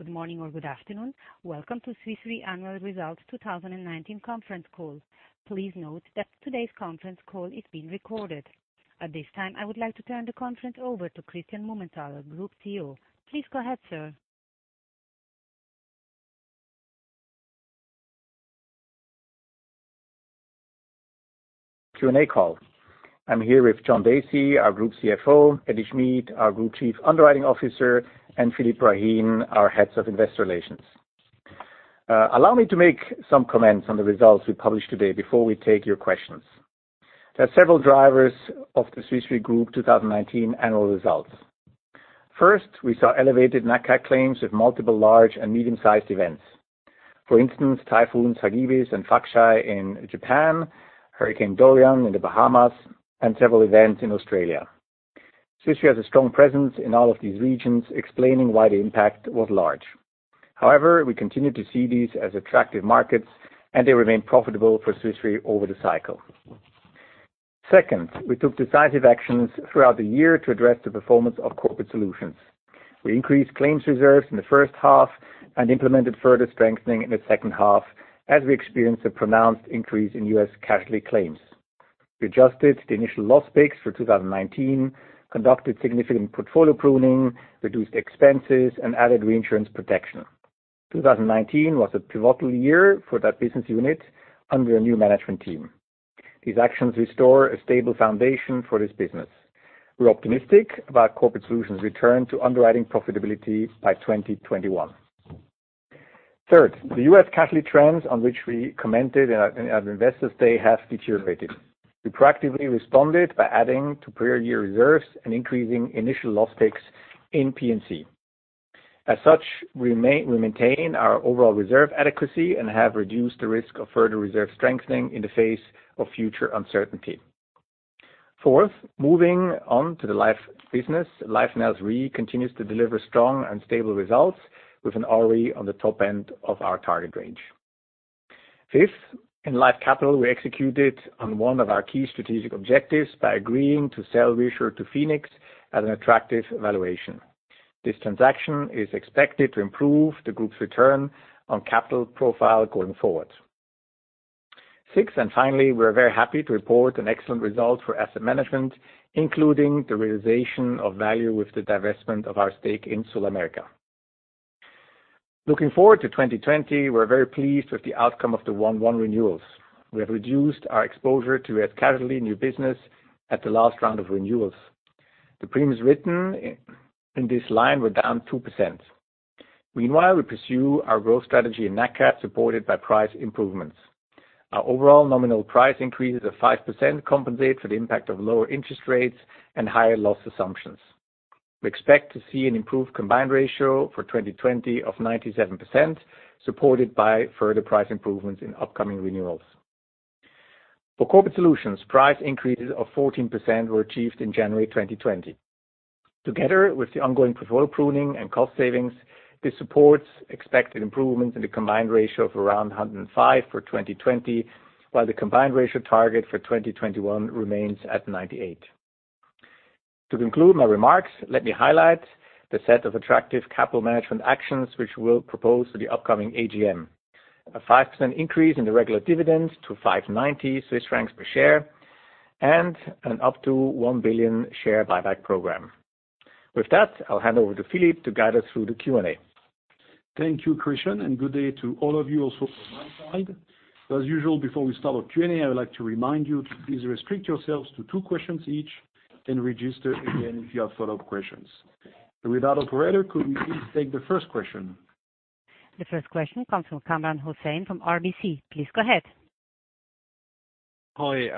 Good morning or good afternoon. Welcome to Swiss Re Annual Results 2019 conference call. Please note that today's conference call is being recorded. At this time, I would like to turn the conference over to Christian Mumenthaler, Group CEO. Please go ahead, sir. Q&A call. I'm here with John Dacey, our Group CFO, Edi Schmid, our Group Chief Underwriting Officer, and Philippe Brahin, our Heads of Investor Relations. Allow me to make some comments on the results we published today before we take your questions. There are several drivers of the Swiss Re Group 2019 annual results. First, we saw elevated natural cat claims with multiple large and medium-sized events. For instance, Typhoon Hagibis and Faxai in Japan, Hurricane Dorian in the Bahamas, and several events in Australia. Swiss Re has a strong presence in all of these regions, explaining why the impact was large. However, we continue to see these as attractive markets, and they remain profitable for Swiss Re over the cycle. Second, we took decisive actions throughout the year to address the performance of Corporate Solutions. We increased claims reserves in the first half and implemented further strengthening in the second half as we experienced a pronounced increase in U.S. casualty claims. We adjusted the initial loss picks for 2019, conducted significant portfolio pruning, reduced expenses, and added reinsurance protection. 2019 was a pivotal year for that business unit under a new management team. These actions restore a stable foundation for this business. We're optimistic about Corporate Solutions return to underwriting profitability by 2021. Third, the U.S. casualty trends on which we commented at Investors' Day have deteriorated. We proactively responded by adding to prior year reserves and increasing initial loss picks in P&C. We maintain our overall reserve adequacy and have reduced the risk of further reserve strengthening in the face of future uncertainty. Fourth, moving on to the life business. Life & Health Re continues to deliver strong and stable results with an ROE on the top end of our target range. Fifth, in Life Capital, we executed on one of our key strategic objectives by agreeing to sell ReAssure to Phoenix at an attractive valuation. This transaction is expected to improve the group's return on capital profile going forward. Sixth and finally, we're very happy to report an excellent result for asset management, including the realization of value with the divestment of our stake in SulAmérica. Looking forward to 2020, we're very pleased with the outcome of the 1/1 renewals. We have reduced our exposure to U.S. casualty new business at the last round of renewals. The premiums written in this line were down 2%. Meanwhile, we pursue our growth strategy in Nat Cat, supported by price improvements. Our overall nominal price increases of 5% compensate for the impact of lower interest rates and higher loss assumptions. We expect to see an improved combined ratio for 2020 of 97%, supported by further price improvements in upcoming renewals. For Corporate Solutions, price increases of 14% were achieved in January 2020. Together with the ongoing portfolio pruning and cost savings, this supports expected improvements in the combined ratio of around 105% for 2020, while the combined ratio target for 2021 remains at 98%. To conclude my remarks, let me highlight the set of attractive capital management actions which we'll propose to the upcoming AGM. A 5% increase in the regular dividends to 590 Swiss francs per share and an up to 1 billion share buyback program. With that, I'll hand over to Philippe to guide us through the Q&A. Thank you, Christian. Good day to all of you also from my side. As usual, before we start our Q&A, I would like to remind you to please restrict yourselves to two questions each and register again if you have follow-up questions. With that, operator, could we please take the first question? The first question comes from Kamran Hossain from RBC. Please go ahead. Hi.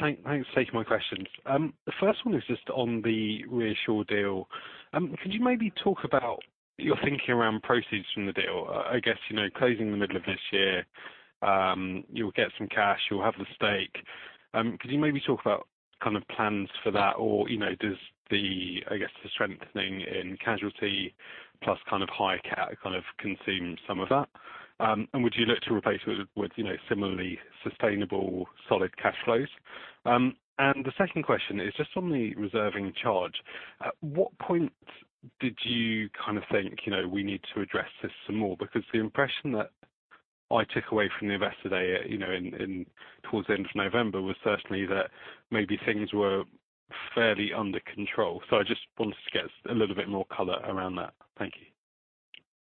Thanks for taking my questions. The first one is just on the ReAssure deal. Could you maybe talk about your thinking around proceeds from the deal? I guess, closing the middle of this year, you'll get some cash, you'll have the stake. Could you maybe talk about plans for that? Does the, I guess, the strengthening in casualty plus high Nat Cat consume some of that? Would you look to replace it with similarly sustainable solid cash flows? The second question is just on the reserving charge. At what point did you think, we need to address this some more? The impression that I took away from the Investors' Day towards the end of November was certainly that maybe things were fairly under control. I just wanted to get a little bit more color around that. Thank you.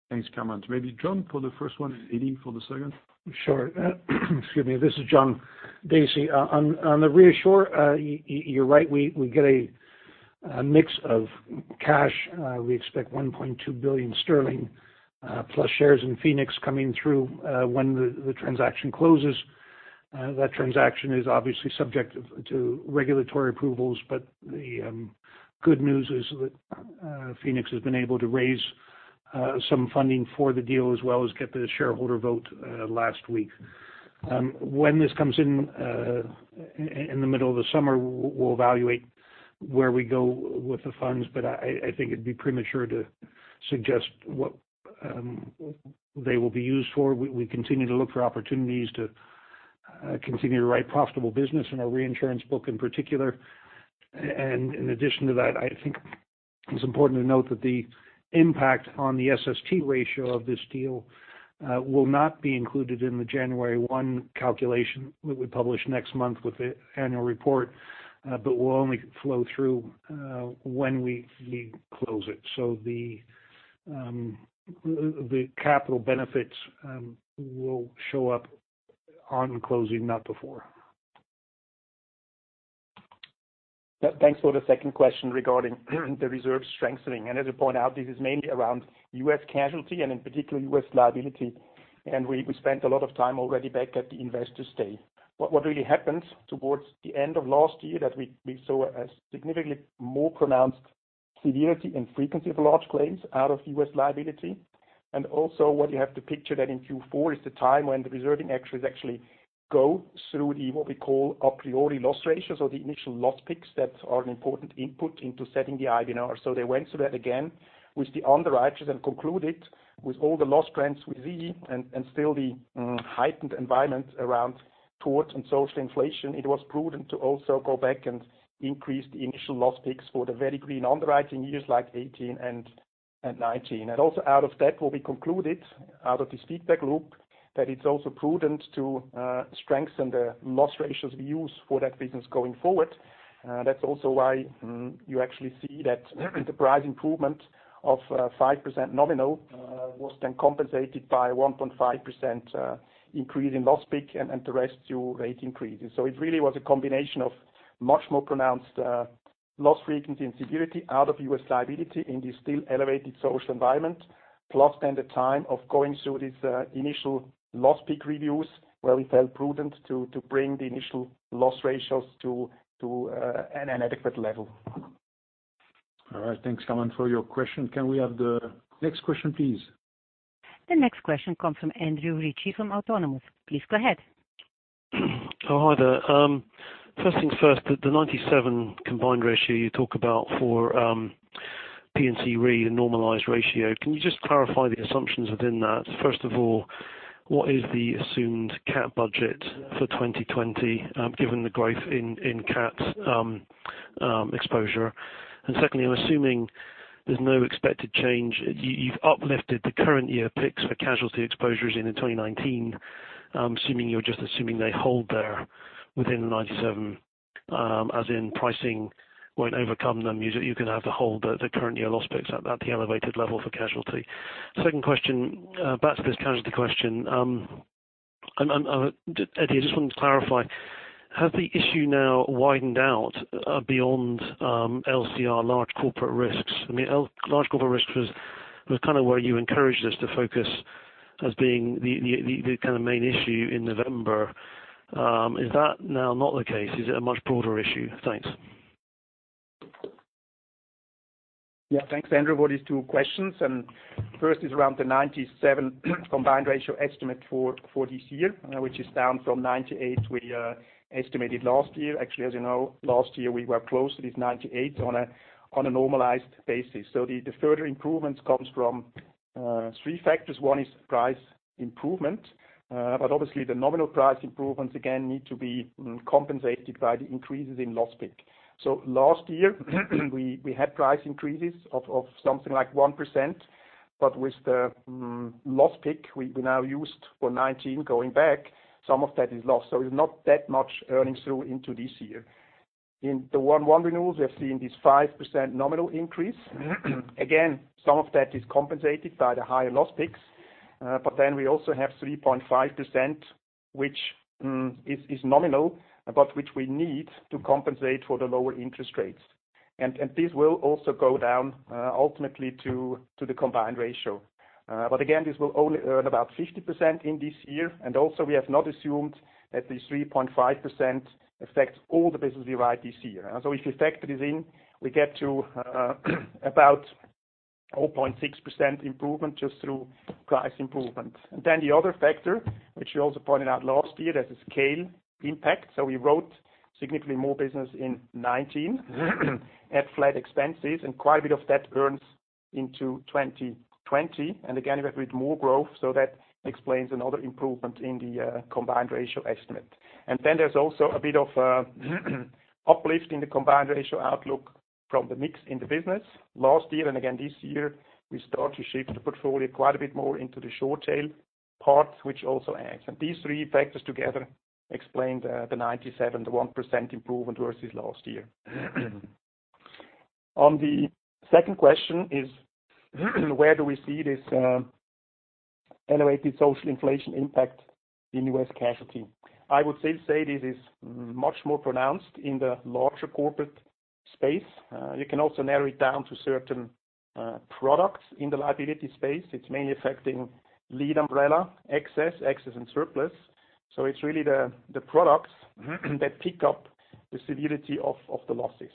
Thanks, Kamran. Maybe John for the first one and Edi for the second. Sure. Excuse me. This is John Dacey. On the ReAssure, you're right, we get a mix of cash. We expect 1.2 billion sterling plus shares in Phoenix coming through when the transaction closes. That transaction is obviously subject to regulatory approvals. The good news is that Phoenix has been able to raise some funding for the deal as well as get the shareholder vote last week. When this comes in the middle of the summer, we'll evaluate where we go with the funds. I think it'd be premature to suggest what they will be used for. We continue to look for opportunities to write profitable business in our reinsurance book in particular. In addition to that, I think it's important to note that the impact on the SST ratio of this deal will not be included in the January 1st calculation that we publish next month with the annual report, but will only flow through when we close it. The capital benefits will show up on closing, not before. Thanks for the second question regarding the reserve strengthening. As you point out, this is mainly around U.S. casualty and in particular, U.S. liability. We spent a lot of time already back at the Investors Day. What really happened towards the end of last year that we saw a significantly more pronounced severity and frequency of large claims out of U.S. liability. Also what you have to picture that in Q4 is the time when the reserving actuaries actually go through the, what we call a priori loss ratios or the initial loss picks that are an important input into setting the IBNR. They went through that again with the underwriters and concluded with all the loss trends we see and still the heightened environment around tort and social inflation. It was prudent to also go back and increase the initial loss picks for the very green underwriting years like 2018 and 2019. Also out of that will be concluded, out of this feedback loop, that it's also prudent to strengthen the loss ratios we use for that business going forward. That's also why you actually see that enterprise improvement of 5% nominal was then compensated by 1.5% increase in loss pick and the rest to rate increases. It really was a combination of much more pronounced loss frequency and severity out of U.S. liability in the still elevated social environment. Then the time of going through this initial loss pick reviews where we felt prudent to bring the initial loss ratios to an adequate level. All right. Thanks, Kamran, for your question. Can we have the next question, please? The next question comes from Andrew Ritchie from Autonomous. Please go ahead. Oh, hi there. First things first, the 97 combined ratio you talk about for P&C Re, the normalized ratio, can you just clarify the assumptions within that? First of all, what is the assumed CAT budget for 2020, given the growth in CAT exposure? Secondly, I'm assuming there's no expected change. You've uplifted the current year picks for casualty exposures in 2019. I'm assuming you're just assuming they hold there within the 97, as in pricing won't overcome them. You're going to have to hold the current year loss picks at the elevated level for casualty. Second question, back to this casualty question. Edi, I just wanted to clarify, has the issue now widened out beyond LCR, large corporate risks? Large corporate risks was kind of where you encouraged us to focus as being the kind of main issue in November. Is that now not the case? Is it a much broader issue? Thanks. Thanks, Andrew, for these two questions. First is around the 97 combined ratio estimate for this year, which is down from 98 we estimated last year. Actually, as you know, last year, we were close to this 98 on a normalized basis. The further improvements comes from three factors. One is price improvement. Obviously the nominal price improvements again need to be compensated by the increases in loss pick. Last year, we had price increases of something like 1%, but with the loss pick we now used for 2019 going back, some of that is lost. It's not that much earnings through into this year. In the 1/1 renewals, we have seen this 5% nominal increase. Again, some of that is compensated by the higher loss picks. We also have 3.5%, which is nominal, but which we need to compensate for the lower interest rates. This will also go down ultimately to the combined ratio. Again, this will only earn about 50% in this year, and also we have not assumed that the 3.5% affects all the business we write this year. If you factor this in, we get to about 0.6% improvement just through price improvement. The other factor, which you also pointed out last year, there's a scale impact. We wrote significantly more business in 2019 at flat expenses, and quite a bit of that earns into 2020. Again, we have a bit more growth, so that explains another improvement in the combined ratio estimate. There's also a bit of uplift in the combined ratio outlook from the mix in the business. Last year and again this year, we start to shift the portfolio quite a bit more into the short tail parts, which also adds. These three factors together explain the 97, the 1% improvement versus last year. On the second question is where do we see this elevated social inflation impact in U.S. casualty? I would still say this is much more pronounced in the larger corporate space. You can also narrow it down to certain products in the liability space. It's mainly affecting lead umbrella, Excess and Surplus. It's really the products that pick up the severity of the losses.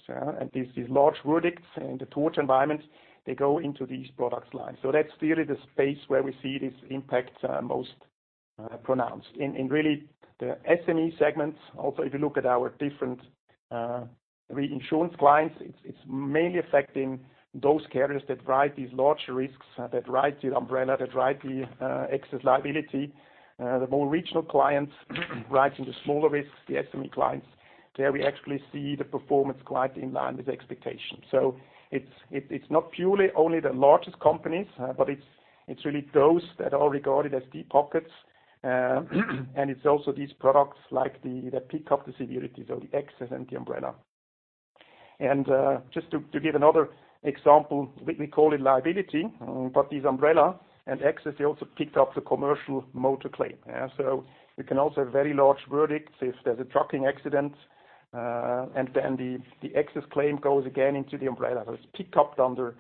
These large verdicts in the tort environment, they go into these product lines. That's really the space where we see this impact most pronounced. In really the SME segments, also, if you look at our different Reinsurance clients, it's mainly affecting those carriers that write these large risks, that write the umbrella, that write the excess liability. The more regional clients writing the smaller risks, the SME clients, there we actually see the performance quite in line with expectation. It's not purely only the largest companies, but it's really those that are regarded as deep pockets. It's also these products like the peak of the severity, so the excess and the umbrella. Just to give another example, we call it liability, but this umbrella and excess, they also picked up the commercial motor claim. You can also have very large verdicts if there's a trucking accident, and then the excess claim goes again into the umbrella. It's picked up under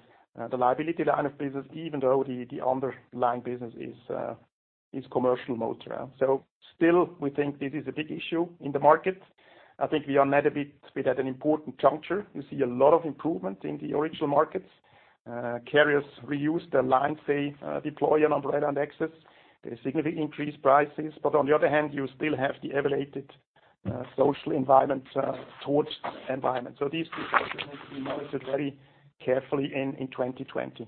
the liability line of business, even though the underlying business is commercial motor. Still, we think this is a big issue in the market. I think we are now a bit at an important juncture. You see a lot of improvement in the original markets. Carriers reuse the lines they deploy on umbrella and excess. They significantly increase prices. On the other hand, you still have the elevated social inflation environment. These two factors need to be monitored very carefully in 2020.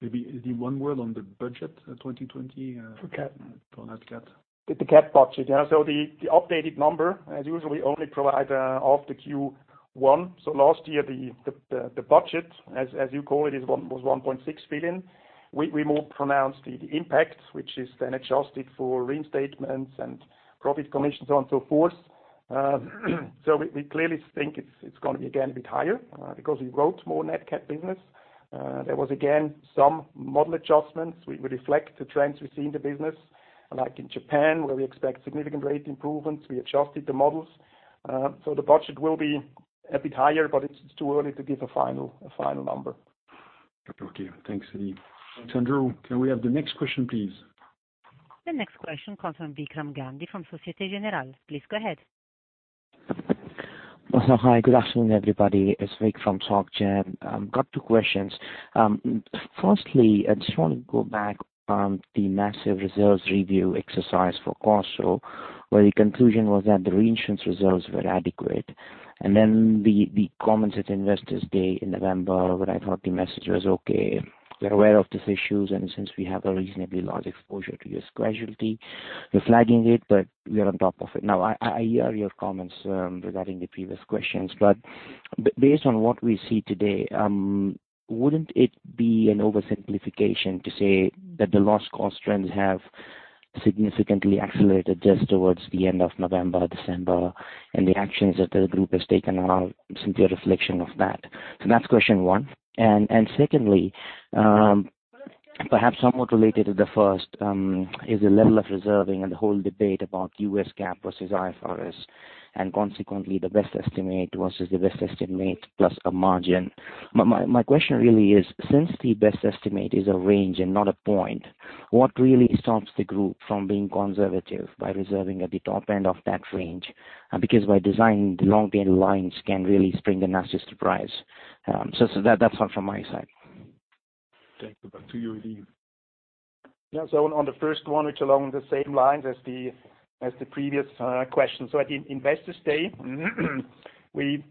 Maybe one word on the budget 2020. For CAT. For Nat Cat. The CAT budget. Yeah. The updated number, as usually only provide off the Q1. Last year, the budget, as you call it, was 1.6 billion. We more pronounced the impact, which is then adjusted for reinstatements and profit commissions and so forth. We clearly think it's going to be again a bit higher because we wrote more net CAT business. There was again some model adjustments. We reflect the trends we see in the business, like in Japan where we expect significant rate improvements, we adjusted the models. The budget will be a bit higher, but it's too early to give a final number. Okay, thanks, Edi. Andrew, can we have the next question, please? The next question comes from Vikram Gandhi from Societe Generale. Please go ahead. Hi, good afternoon, everybody. It's Vik from Societe Generale. Got two questions. Firstly, I just want to go back on the massive reserves review exercise for CorSo, where the conclusion was that the reinsurance reserves were adequate. The comments at Investors Day in November, where I thought the message was, okay, we are aware of these issues, and since we have a reasonably large exposure to this casualty, we're flagging it, but we are on top of it. I hear your comments regarding the previous questions, based on what we see today, wouldn't it be an oversimplification to say that the loss cost trends have significantly accelerated just towards the end of November, December, and the actions that the group has taken are simply a reflection of that? That's question one. Secondly, perhaps somewhat related to the first, is the level of reserving and the whole debate about U.S. GAAP versus IFRS, and consequently, the best estimate versus the best estimate plus a margin. My question really is, since the best estimate is a range and not a point, what really stops the group from being conservative by reserving at the top end of that range? By design, the long-tail lines can really spring a nasty surprise. That's all from my side. Thank you. Back to you, Edi. Yeah. On the first one, which along the same lines as the previous question. At the Investors Day, we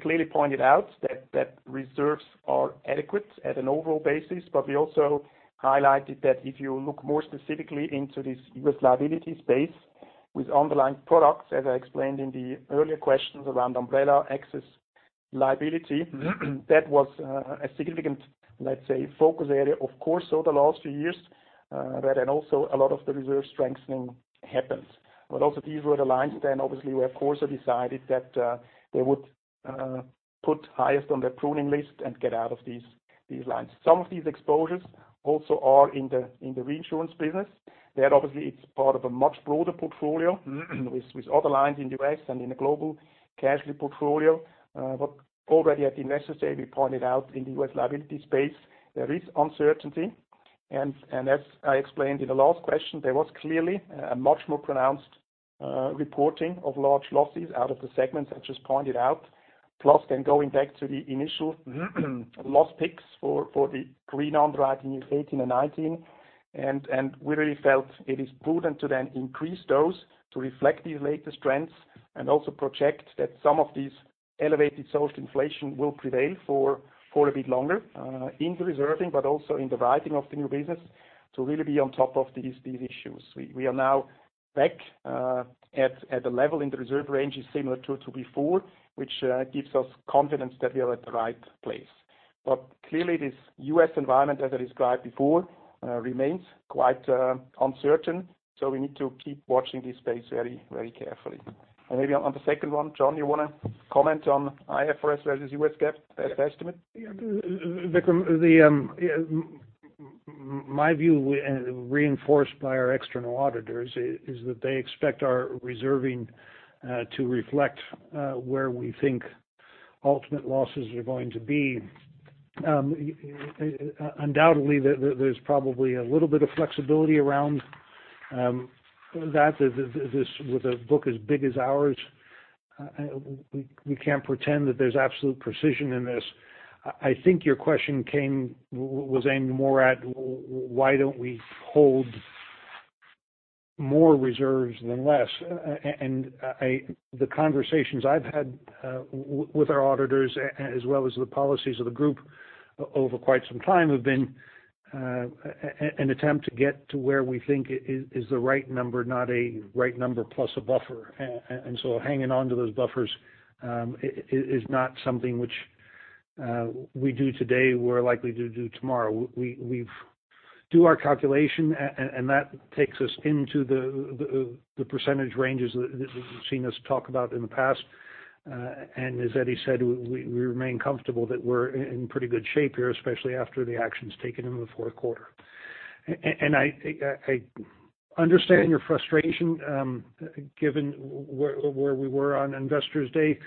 clearly pointed out that reserves are adequate at an overall basis, but we also highlighted that if you look more specifically into this U.S. liability space with underlying products, as I explained in the earlier questions around umbrella excess liability, that was a significant focus area, of course, over the last few years, where then also a lot of the reserve strengthening happened. Also, these were the lines then obviously where CorSo decided that they would put highest on their pruning list and get out of these lines. Some of these exposures also are in the reinsurance business. There obviously it's part of a much broader portfolio with other lines in the U.S. and in the global casualty portfolio. Already at the Investors Day, we pointed out in the U.S. liability space, there is uncertainty. As I explained in the last question, there was clearly a much more pronounced reporting of large losses out of the segments I just pointed out. Going back to the initial loss picks for the green underwriting in 2018 and 2019. We really felt it is prudent to then increase those to reflect these latest trends and also project that some of this elevated social inflation will prevail for a bit longer in the reserving but also in the writing of the new business to really be on top of these issues. We are now back at the level in the reserve range is similar to before, which gives us confidence that we are at the right place. Clearly this U.S. environment, as I described before, remains quite uncertain. We need to keep watching this space very carefully. Maybe on the second one, John, you want to comment on IFRS versus U.S. GAAP best estimate? Vikram, my view reinforced by our external auditors, is that they expect our reserving to reflect where we think ultimate losses are going to be. Undoubtedly, there's probably a little bit of flexibility around that. With a book as big as ours, we can't pretend that there's absolute precision in this. I think your question came, was aimed more at why don't we hold more reserves than less. The conversations I've had with our auditors, as well as the policies of the group over quite some time, have been an attempt to get to where we think is the right number, not a right number plus a buffer. Hanging on to those buffers is not something which we do today, we're likely to do tomorrow. We do our calculation, and that takes us into the percentage ranges that you've seen us talk about in the past. As Edi said, we remain comfortable that we're in pretty good shape here, especially after the actions taken in the fourth quarter. I understand your frustration given where we were on Investors Day.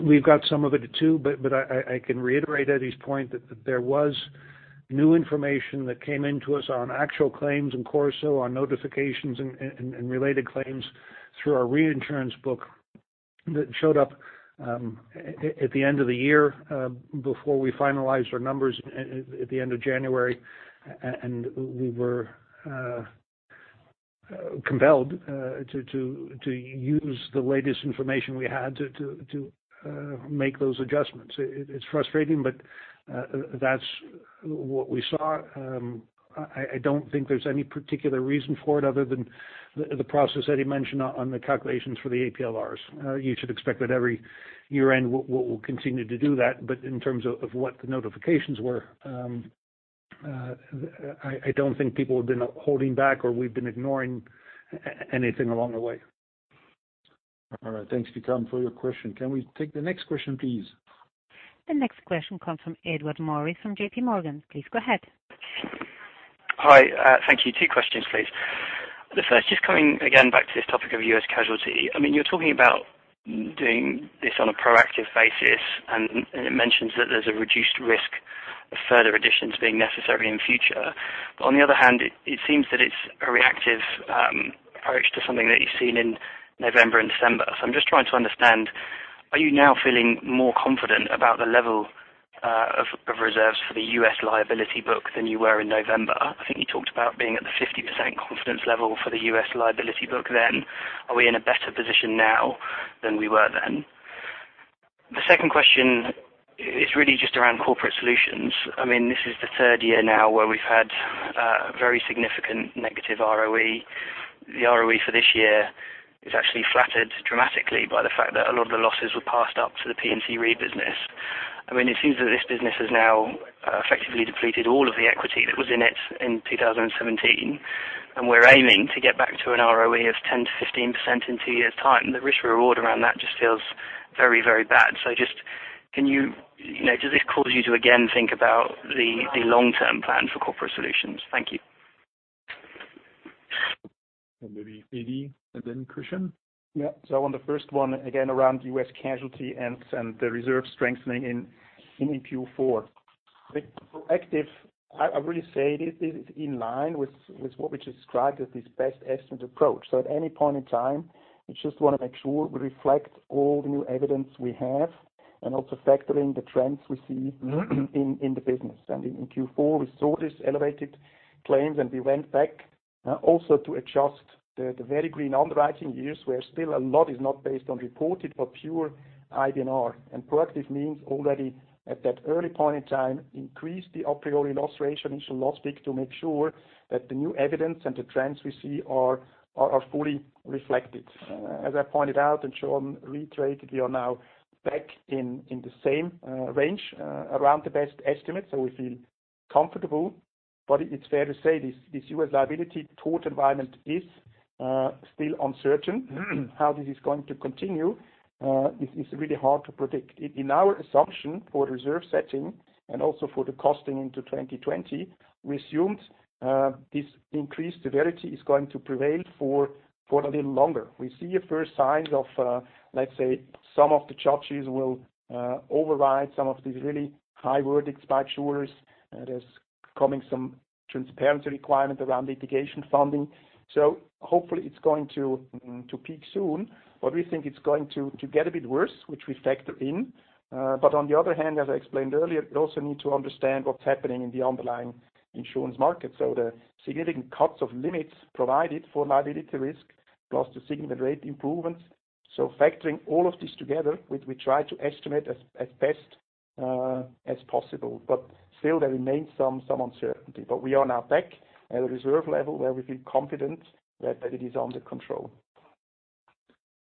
We've got some of it, too. I can reiterate Edi's point that there was new information that came into us on actual claims in CorSo, on notifications and related claims through our reinsurance book that showed up at the end of the year before we finalized our numbers at the end of January. We were compelled to use the latest information we had to make those adjustments. It's frustrating, but that's what we saw. I don't think there's any particular reason for it other than the process Edi mentioned on the calculations for the APL. You should expect that every year-end, we'll continue to do that. In terms of what the notifications were, I don't think people have been holding back or we've been ignoring anything along the way. All right. Thanks, Vikram, for your question. Can we take the next question, please? The next question comes from Edward Morris from JP Morgan. Please go ahead. Hi. Thank you. Two questions, please. The first, just coming again back to this topic of U.S. casualty. You're talking about doing this on a proactive basis, and it mentions that there's a reduced risk of further additions being necessary in future. On the other hand, it seems that it's a reactive approach to something that you've seen in November and December. I'm just trying to understand, are you now feeling more confident about the level of reserves for the U.S. liability book than you were in November? I think you talked about being at the 50% confidence level for the U.S. liability book then. Are we in a better position now than we were then? The second question is really just around Corporate Solutions. This is the third year now where we've had a very significant negative ROE. The ROE for this year is actually flattered dramatically by the fact that a lot of the losses were passed up to the P&C Re business. It seems that this business has now effectively depleted all of the equity that was in it in 2017. We're aiming to get back to an ROE of 10%-15% in two years' time. The risk reward around that just feels very, very bad. Does this cause you to again think about the long-term plan for Corporate Solutions? Thank you. Maybe Edi, and then Christian. On the first one, again, around U.S. casualty and the reserve strengthening in Q4. The proactive, I really say this is in line with what we described as this best estimate approach. At any point in time, we just want to make sure we reflect all the new evidence we have and also factor in the trends we see in the business. In Q4, we saw these elevated claims, and we went back also to adjust the very green underwriting years, where still a lot is not based on reported but pure IBNR. Proactive means already at that early point in time, increase the a priori illustration initial loss pick to make sure that the new evidence and the trends we see are fully reflected. As I pointed out and shown, retrade, we are now back in the same range around the best estimate. We feel comfortable. It's fair to say this U.S. liability tort environment is still uncertain. How this is going to continue is really hard to predict. In our assumption for reserve setting and also for the costing into 2020, we assumed this increased severity is going to prevail for a little longer. We see a first sign of, let's say, some of the charges will override some of these really high verdict spikes. There's coming some transparency requirement around litigation funding. Hopefully it's going to peak soon. We think it's going to get a bit worse, which we factor in. On the other hand, as I explained earlier, we also need to understand what's happening in the underlying insurance market. The significant cuts of limits provided for liability risk, plus the significant rate improvements. Factoring all of this together, we try to estimate as best as possible. Still, there remains some uncertainty. We are now back at a reserve level where we feel confident that it is under control.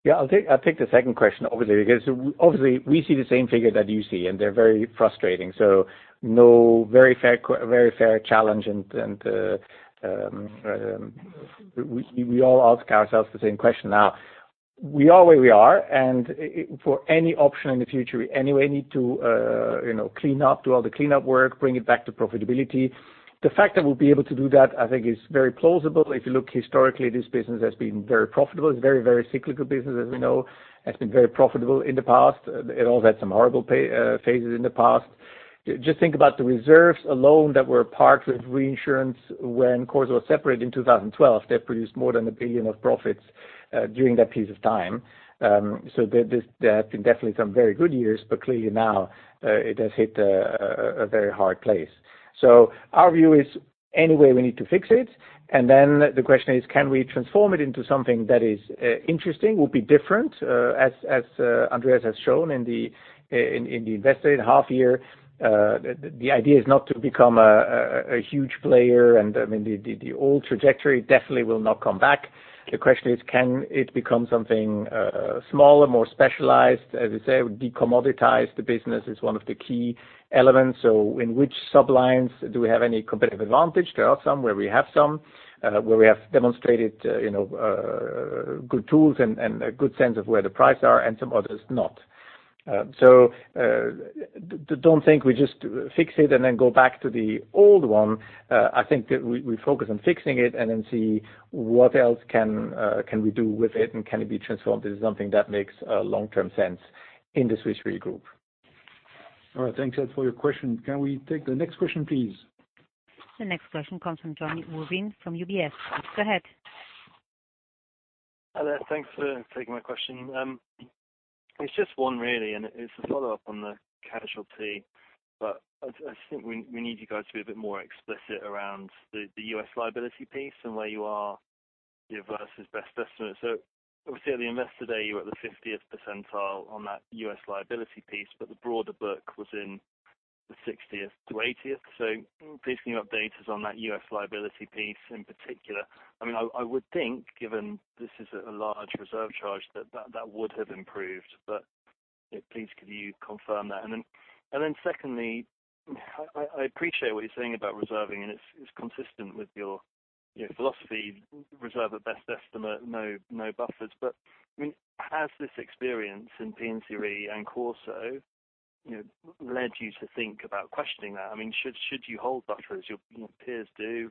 Yeah, I'll take the second question, obviously, because obviously we see the same figure that you see, and they're very frustrating. No, very fair challenge, and we all ask ourselves the same question now. We are where we are, and for any option in the future, we anyway need to clean up, do all the cleanup work, bring it back to profitability. The fact that we'll be able to do that, I think is very plausible. If you look historically, this business has been very profitable. It's a very cyclical business, as we know. It's been very profitable in the past. It all had some horrible phases in the past. Just think about the reserves alone that were parked with reinsurance when CorSo was separated in 2012. They produced more than 1 billion of profits during that piece of time. There have been definitely some very good years, but clearly now it has hit a very hard place. Our view is anyway, we need to fix it. Then the question is, can we transform it into something that is interesting, will be different, as Andreas has shown in the Investor Day and half year. The idea is not to become a huge player, and the old trajectory definitely will not come back. The question is, can it become something smaller, more specialized? As I say, would de-commoditize the business is one of the key elements. In which sub-lines do we have any competitive advantage? There are some where we have some, where we have demonstrated good tools and a good sense of where the prices are, and some others not. Don't think we just fix it and then go back to the old one. I think that we focus on fixing it and then see what else can we do with it, and can it be transformed into something that makes long-term sense in the Swiss Re group. All right. Thanks, Ed, for your question. Can we take the next question, please? The next question comes from Jonny Bloxham from UBS. Go ahead. Hi there. Thanks for taking my question. It's just one really, and it is a follow-up on the casualty. I just think we need to go to a bit more explicit around the U.S. liability piece and where you are versus best estimate. Obviously at the Investor Day, you were at the 50th percentile on that U.S. liability piece, but the broader book was in the 60th-80th. Please can you update us on that U.S. liability piece in particular? I would think given this is a large reserve charge, that would have improved, but please could you confirm that? Secondly, I appreciate what you're saying about reserving and it's consistent with your philosophy, reserve at best estimate, no buffers. Has this experience in P&C Re and CorSo led you to think about questioning that? Should you hold buffers your peers do?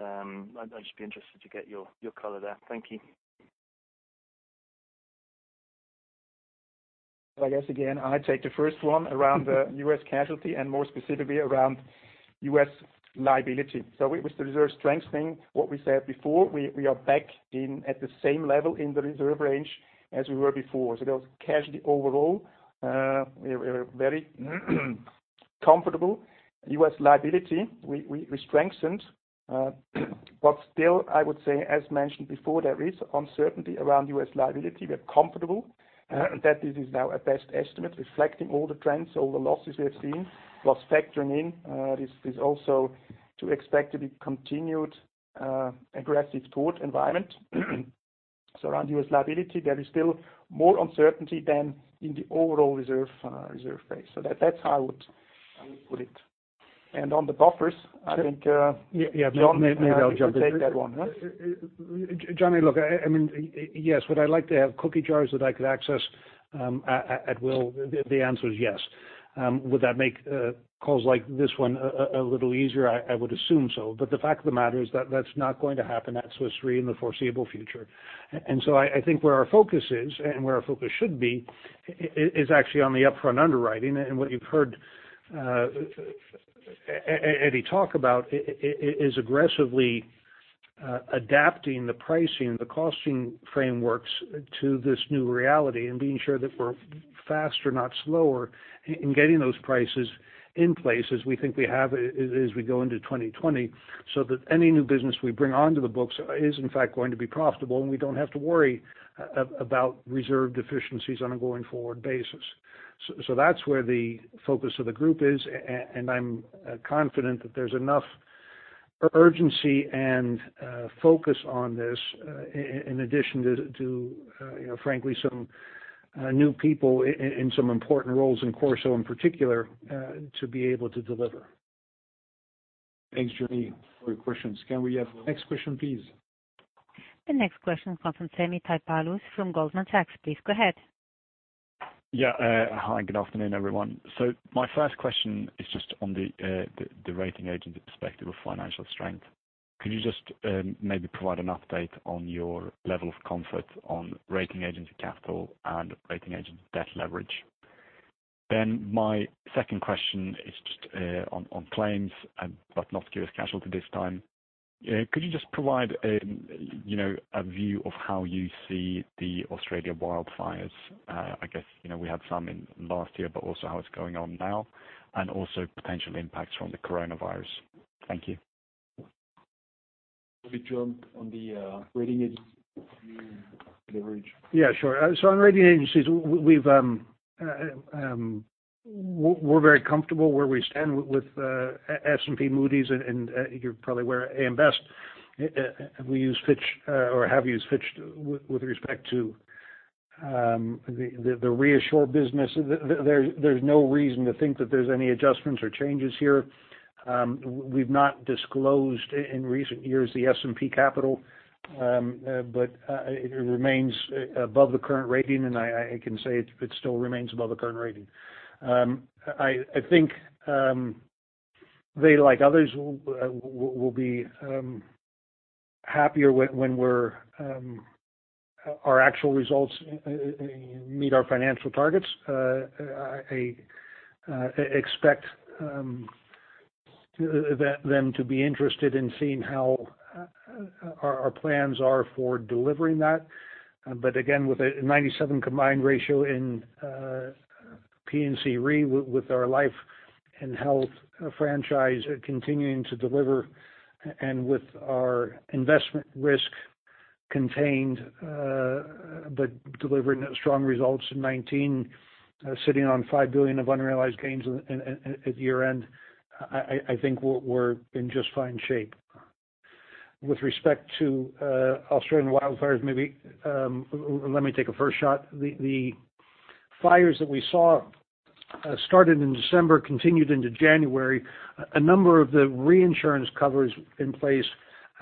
I'd just be interested to get your color there. Thank you. I guess again, I take the first one around the U.S. casualty and more specifically around U.S. liability. With the reserve strengthening, what we said before, we are back in at the same level in the reserve range as we were before. That was casualty overall. We are very comfortable. U.S. liability, we strengthened. Still, I would say, as mentioned before, there is uncertainty around U.S. liability. We are comfortable that this is now a best estimate, reflecting all the trends, all the losses we have seen, plus factoring in this is also to expect to be continued aggressive tort environment. Around U.S. liability, there is still more uncertainty than in the overall reserve phase. That's how I would put it. Yeah. Maybe I'll jump in. You take that one. Jonny, look, yes, would I like to have cookie jars that I could access at will? The answer is yes. Would that make calls like this one a little easier? I would assume so. The fact of the matter is that that's not going to happen at Swiss Re in the foreseeable future. I think where our focus is and where our focus should be is actually on the upfront underwriting. What you've heard Edi talk about is aggressively adapting the pricing, the costing frameworks to this new reality, and being sure that we're faster, not slower in getting those prices in place as we think we have as we go into 2020, so that any new business we bring onto the books is in fact going to be profitable, and we don't have to worry about reserve deficiencies on a going forward basis. That's where the focus of the group is, and I'm confident that there's enough urgency and focus on this, in addition to frankly, some new people in some important roles in CorSo, in particular, to be able to deliver. Thanks, Jonny, for your questions. Can we have the next question, please? The next question comes from Sami Taipalus from Goldman Sachs. Please go ahead. Yeah. Hi, good afternoon, everyone. My first question is just on the rating agency perspective of financial strength. Could you just maybe provide an update on your level of comfort on rating agency capital and rating agency debt leverage? My second question is just on claims, but not U.S. casualty this time. Could you just provide a view of how you see the Australia wildfires? I guess, we had some in last year, but also how it's going on now, and also potential impacts from the coronavirus. Thank you. Maybe John, on the rating agency leverage. Yeah, sure. On rating agencies, we're very comfortable where we stand with S&P, Moody's, and you're probably aware, AM Best. We use Fitch or have used Fitch with respect to the ReAssure business. There's no reason to think that there's any adjustments or changes here. We've not disclosed in recent years the S&P capital. It remains above the current rating, and I can say it still remains above the current rating. I think they, like others, will be happier when our actual results meet our financial targets. I expect them to be interested in seeing how our plans are for delivering that. But again, with a 97 combined ratio in P&C Re, with our Life & Health franchise continuing to deliver, and with our investment risk contained. Delivering strong results in 2019, sitting on $5 billion of unrealized gains at year-end, I think we're in just fine shape. With respect to Australian wildfires, maybe let me take a first shot. The fires that we saw started in December, continued into January. A number of the reinsurance covers in place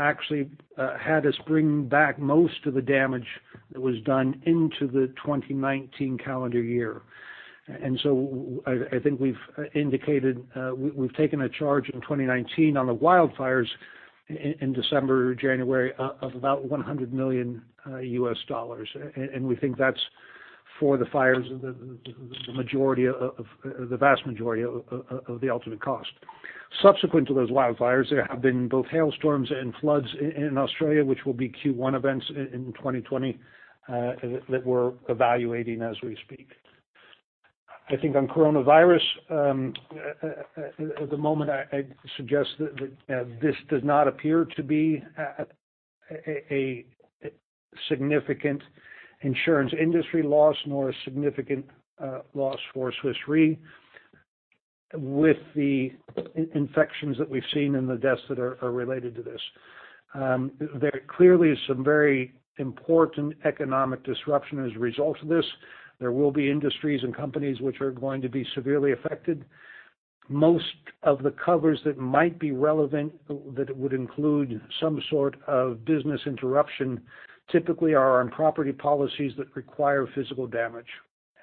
actually had us bring back most of the damage that was done into the 2019 calendar year. I think we've indicated we've taken a charge in 2019 on the wildfires in December or January of about CHF 100 million, and we think that's for the fires, the vast majority of the ultimate cost. Subsequent to those wildfires, there have been both hailstorms and floods in Australia, which will be Q1 events in 2020, that we're evaluating as we speak. I think on coronavirus, at the moment, I suggest that this does not appear to be a significant insurance industry loss nor a significant loss for Swiss Re with the infections that we've seen and the deaths that are related to this. There clearly is some very important economic disruption as a result of this. There will be industries and companies which are going to be severely affected. Most of the covers that might be relevant, that would include some sort of business interruption, typically are on property policies that require physical damage.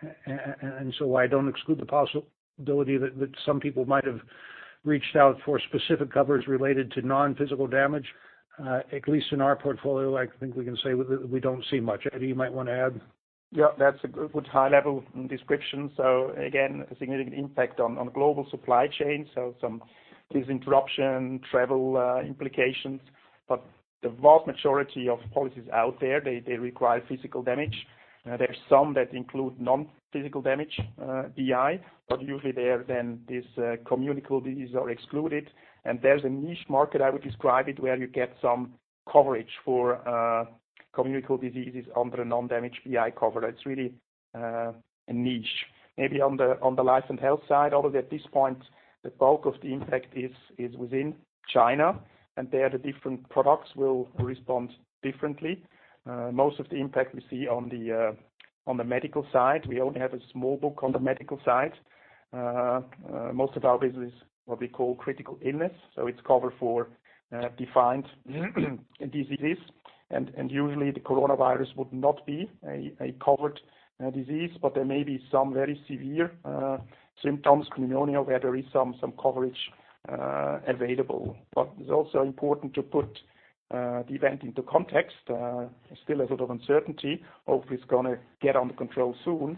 I don't exclude the possibility that some people might have reached out for specific covers related to non-physical damage. At least in our portfolio, I think we can say we don't see much. Edi, you might want to add. Yeah, that's a good high-level description. Again, a significant impact on the global supply chain, some business interruption, travel implications, but the vast majority of policies out there, they require physical damage. There are some that include non-physical damage, BI, usually there then these communicable diseases are excluded, and there's a niche market, I would describe it, where you get some coverage for communicable diseases under a non-damage BI cover. It's really a niche. Maybe on the life and health side, although at this point, the bulk of the impact is within China, and there, the different products will respond differently. Most of the impact we see on the medical side. We only have a small book on the medical side. Most of our business, what we call critical illness, so it's cover for defined diseases. Usually, the coronavirus would not be a covered disease, there may be some very severe symptoms, pneumonia, where there is some coverage available. It's also important to put the event into context. There's still a sort of uncertainty. Hope it's going to get under control soon.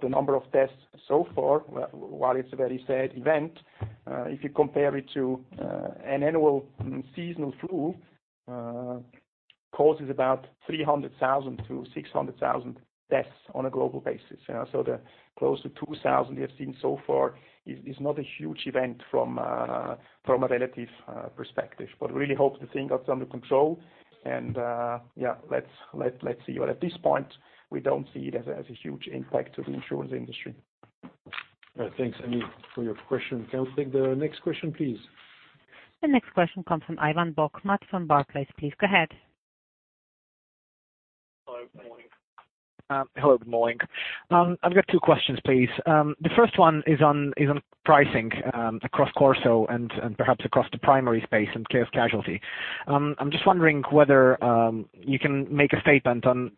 The number of deaths so far, while it's a very sad event, if you compare it to an annual seasonal flu, causes about 300,000 to 600,000 deaths on a global basis. The close to 2,000 we have seen so far is not a huge event from a relative perspective. Really hope the thing gets under control. Let's see. At this point, we don't see it as a huge impact to the insurance industry. Thanks, Eddie, for your question. Can we take the next question, please? The next question comes from Ivan Bokhmat from Barclays. Please go ahead. Hello. Good morning. I've got two questions, please. The first one is on pricing across CorSo and perhaps across the primary space and casualty. I'm just wondering whether you can make a statement on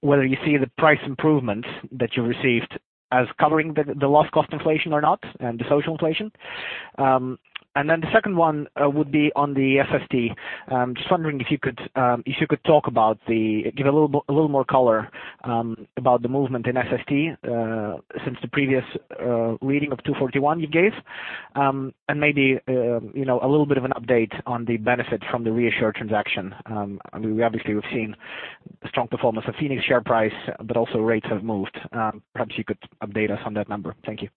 whether you see the price improvements that you received as covering the loss cost inflation or not, and the social inflation. The second one would be on the SST. Just wondering if you could give a little more color about the movement in SST since the previous reading of 241 you gave, and maybe a little bit of an update on the benefit from the ReAssure transaction. Obviously, we've seen strong performance of Phoenix share price, but also rates have moved. Perhaps you could update us on that number. Thank you.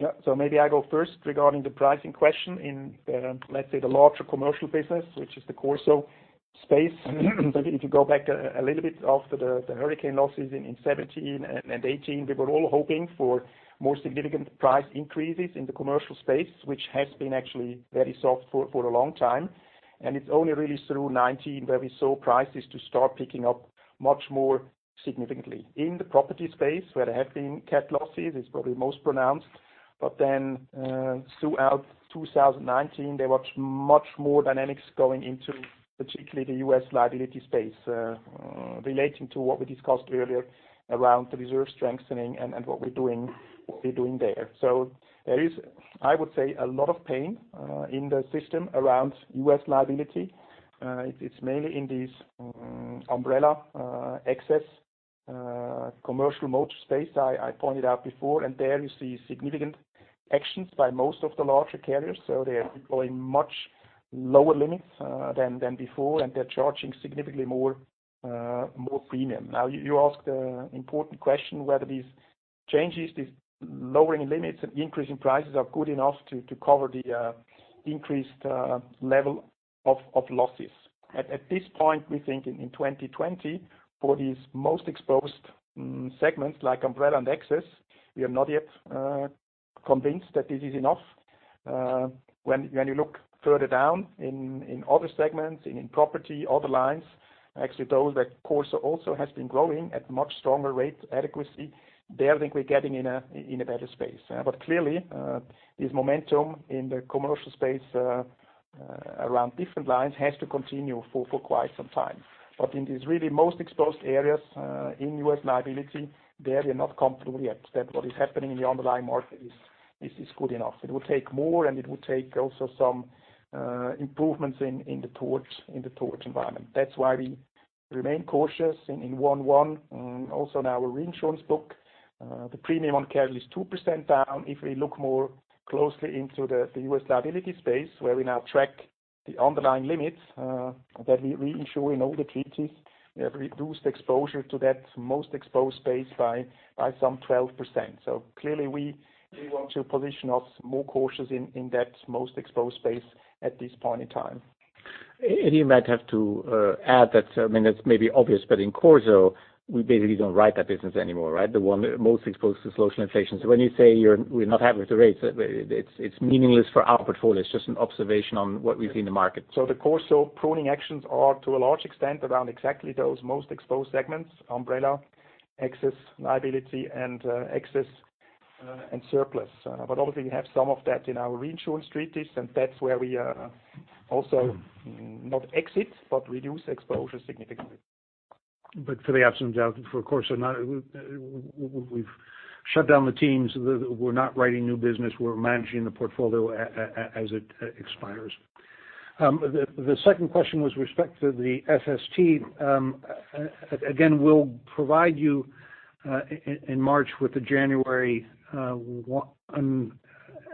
Yeah. Maybe I go first regarding the pricing question in, let's say, the larger commercial business, which is the CorSo space. If you go back a little bit after the hurricane losses in 2017 and 2018, we were all hoping for more significant price increases in the commercial space, which has been actually very soft for a long time. It's only really through 2019 where we saw prices to start picking up much more significantly. In the property space, where there have been cat losses, it's probably most pronounced. Throughout 2019, there was much more dynamics going into, particularly the U.S. liability space, relating to what we discussed earlier around the reserve strengthening and what we're doing there. There is, I would say, a lot of pain in the system around U.S. liability. It's mainly in these umbrella excess commercial motor space I pointed out before, and there you see significant actions by most of the larger carriers. They are deploying much lower limits than before, and they're charging significantly more premium. You asked the important question whether these changes, these lowering limits and increasing prices are good enough to cover the increased level of losses. At this point, we think in 2020, for these most exposed segments like umbrella and excess, we are not yet convinced that this is enough. When you look further down in other segments, in property, other lines, actually those that CorSo also has been growing at much stronger rate adequacy, there I think we're getting in a better space. Clearly, this momentum in the commercial space around different lines has to continue for quite some time. In these really most exposed areas, in U.S. liability, there we are not comfortable yet that what is happening in the underlying market is good enough. It will take more, and it will take also some improvements in the tort environment. That's why we remain cautious in one/one and also now our reinsurance book, the premium on casualty is 2% down. If we look more closely into the U.S. liability space, where we now track the underlying limits, that we insure in all the treaties, we have reduced exposure to that most exposed space by some 12%. Clearly we want to position us more cautious in that most exposed space at this point in time. Edi might have to add that, it's maybe obvious, but in CorSo, we basically don't write that business anymore, right, the one most exposed to social inflation. When you say we're not happy with the rates, it's meaningless for our portfolio. It's just an observation on what we see in the market. The CorSo pruning actions are to a large extent around exactly those most exposed segments, umbrella, excess liability, and Excess and Surplus. Obviously, we have some of that in our reinsurance treaties, and that's where we also not exit, but reduce exposure significantly. For the absence of doubt, for CorSo, we've shut down the teams. We're not writing new business. We're managing the portfolio as it expires. The second question was respect to the SST. Again, we'll provide you in March with the January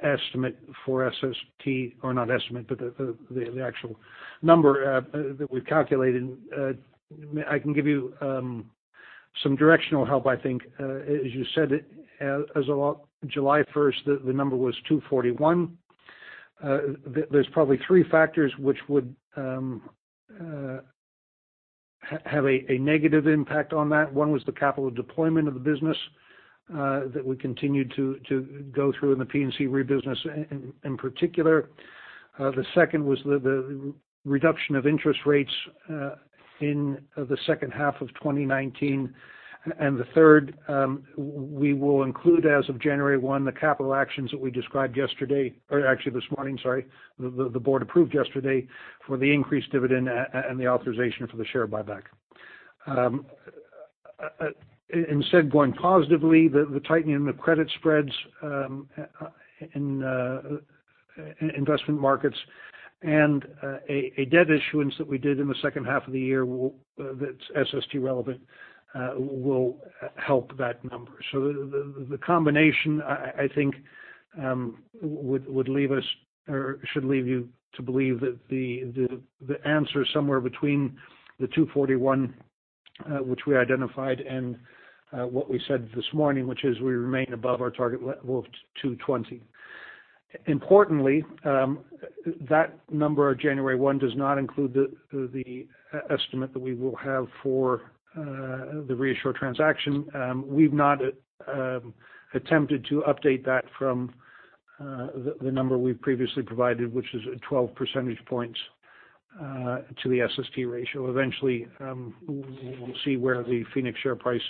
estimate for SST, or not estimate, but the actual number that we've calculated. I can give you some directional help, I think. As you said it, as of July 1st, the number was 241. There's probably three factors which would have a negative impact on that. One was the capital deployment of the business, that we continued to go through in the P&C Re business in particular. The second was the reduction of interest rates, in the second half of 2019. The third, we will include as of January 1, the capital actions that we described yesterday, or actually this morning, sorry. The board approved yesterday for the increased dividend and the authorization for the share buyback. Going positively, the tightening of credit spreads in investment markets and a debt issuance that we did in the second half of the year that's SST relevant, will help that number. The combination, I think, should leave you to believe that the answer is somewhere between the 241, which we identified and what we said this morning, which is we remain above our target of 220. Importantly, that number of January 1 does not include the estimate that we will have for the ReAssure transaction. We've not attempted to update that from the number we've previously provided, which is at 12 percentage points to the SST ratio. Eventually, we'll see where the Phoenix share price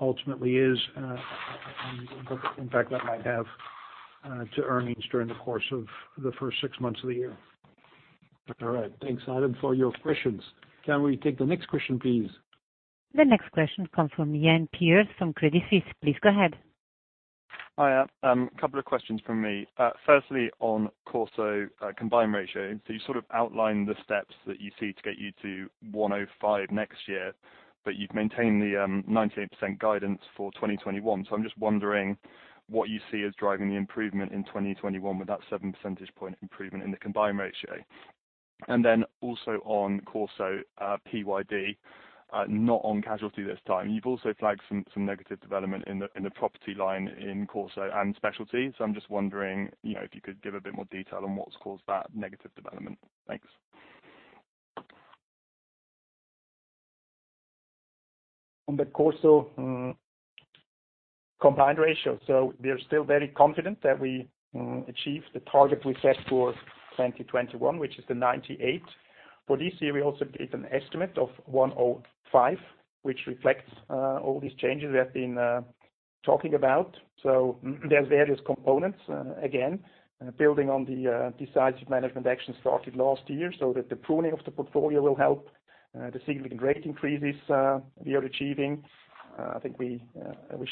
ultimately is and what impact that might have to earnings during the course of the first six months of the year. All right. Thanks, Adam, for your questions. Can we take the next question, please? The next question comes from Iain Pearce from Credit Suisse. Please go ahead. Hi. A couple of questions from me. Firstly, on CorSo combined ratio. You sort of outlined the steps that you see to get you to 105 next year, but you've maintained the 98% guidance for 2021. I'm just wondering what you see as driving the improvement in 2021 with that seven percentage point improvement in the combined ratio. Also on CorSo PYD, not on casualty this time. You've also flagged some negative development in the property line in CorSo and specialty. I'm just wondering if you could give a bit more detail on what's caused that negative development. Thanks. On the CorSo combined ratio. We are still very confident that we achieve the target we set for 2021, which is the 98. For this year, we also gave an estimate of 105, which reflects all these changes we have been talking about. There's various components, again, building on the decisive management action started last year, so that the pruning of the portfolio will help the significant rate increases we are achieving. I think we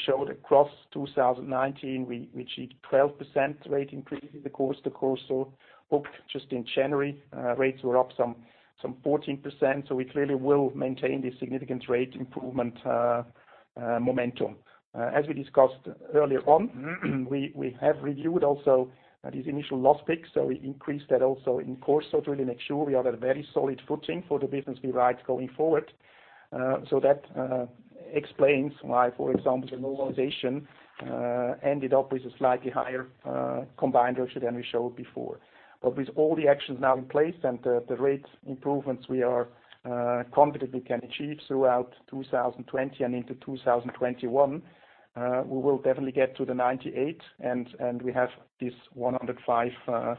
showed across 2019, we achieved 12% rate increase across the CorSo book. Just in January, rates were up some 14%, we clearly will maintain this significant rate improvement momentum. As we discussed earlier on, we have reviewed also these initial loss picks, we increased that also in CorSo to really make sure we are at a very solid footing for the business we write going forward. That explains why, for example, the normalization ended up with a slightly higher combined ratio than we showed before. With all the actions now in place and the rate improvements we are confident we can achieve throughout 2020 and into 2021, we will definitely get to the 98 and we have this 105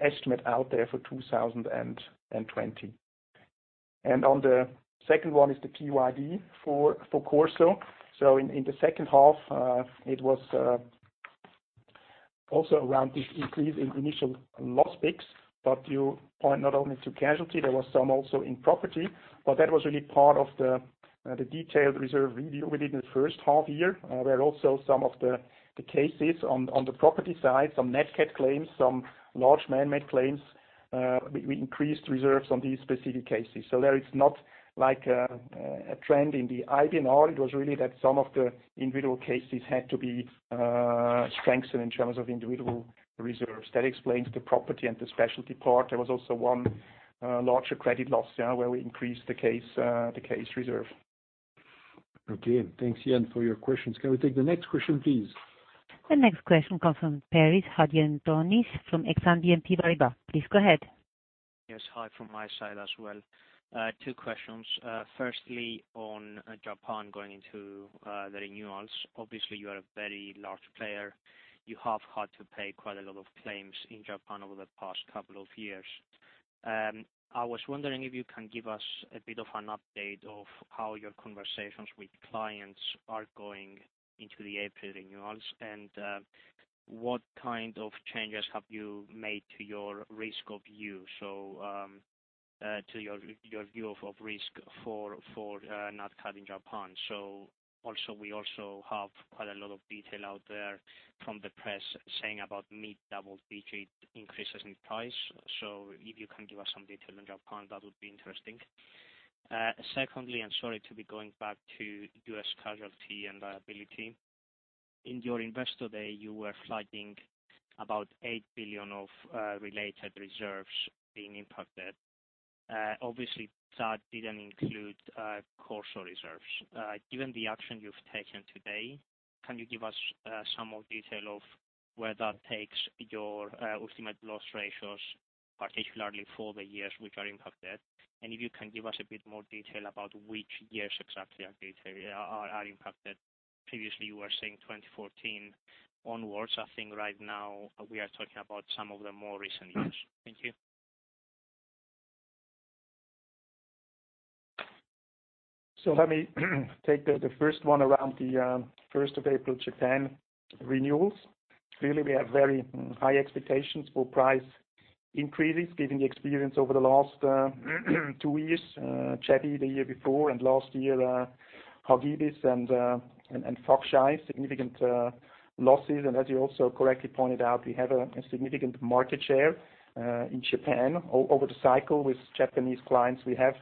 estimate out there for 2020. On the second one is the PYD for CorSo. In the second half, it was also around this increase in initial loss picks. You point not only to casualty, there was some also in property, but that was really part of the detailed reserve review we did in the first half year. There are also some of the cases on the property side, some Nat Cat claims, some large manmade claims. We increased reserves on these specific cases. There is not a trend in the IBNR. It was really that some of the individual cases had to be strengthened in terms of individual reserves. That explains the property and the specialty part. There was also one larger credit loss, where we increased the case reserve. Okay. Thanks, Iain, for your questions. Can we take the next question, please? The next question comes from Paris Hadjiantonis from Exane BNP Paribas. Please go ahead. Yes. Hi from my side as well. Two questions. Firstly, on Japan going into the renewals. Obviously, you are a very large player. You have had to pay quite a lot of claims in Japan over the past couple of years. I was wondering if you can give us a bit of an update of how your conversations with clients are going into the April renewals, and what kind of changes have you made to your risk of view, so to your view of risk for Nat Cat Japan. Also we also have quite a lot of detail out there from the press saying about mid double digit increases in price. If you can give us some detail on Japan, that would be interesting. Secondly, I'm sorry to be going back to U.S. casualty and liability. In your Investor Day, you were flagging about 8 billion of related reserves being impacted. Obviously, that didn't include CorSo reserves. Given the action you've taken today, can you give us some more detail of where that takes your ultimate loss ratios, particularly for the years which are impacted? If you can give us a bit more detail about which years exactly are impacted. Previously, you were saying 2014 onwards. I think right now we are talking about some of the more recent years. Thank you. Let me take the first one around the 1st of April Japan renewals. Clearly, we have very high expectations for price increases given the experience over the last two years. Jebi the year before and last year, Hagibis and Faxai, significant losses. As you also correctly pointed out, we have a significant market share in Japan over the cycle with Japanese clients. We have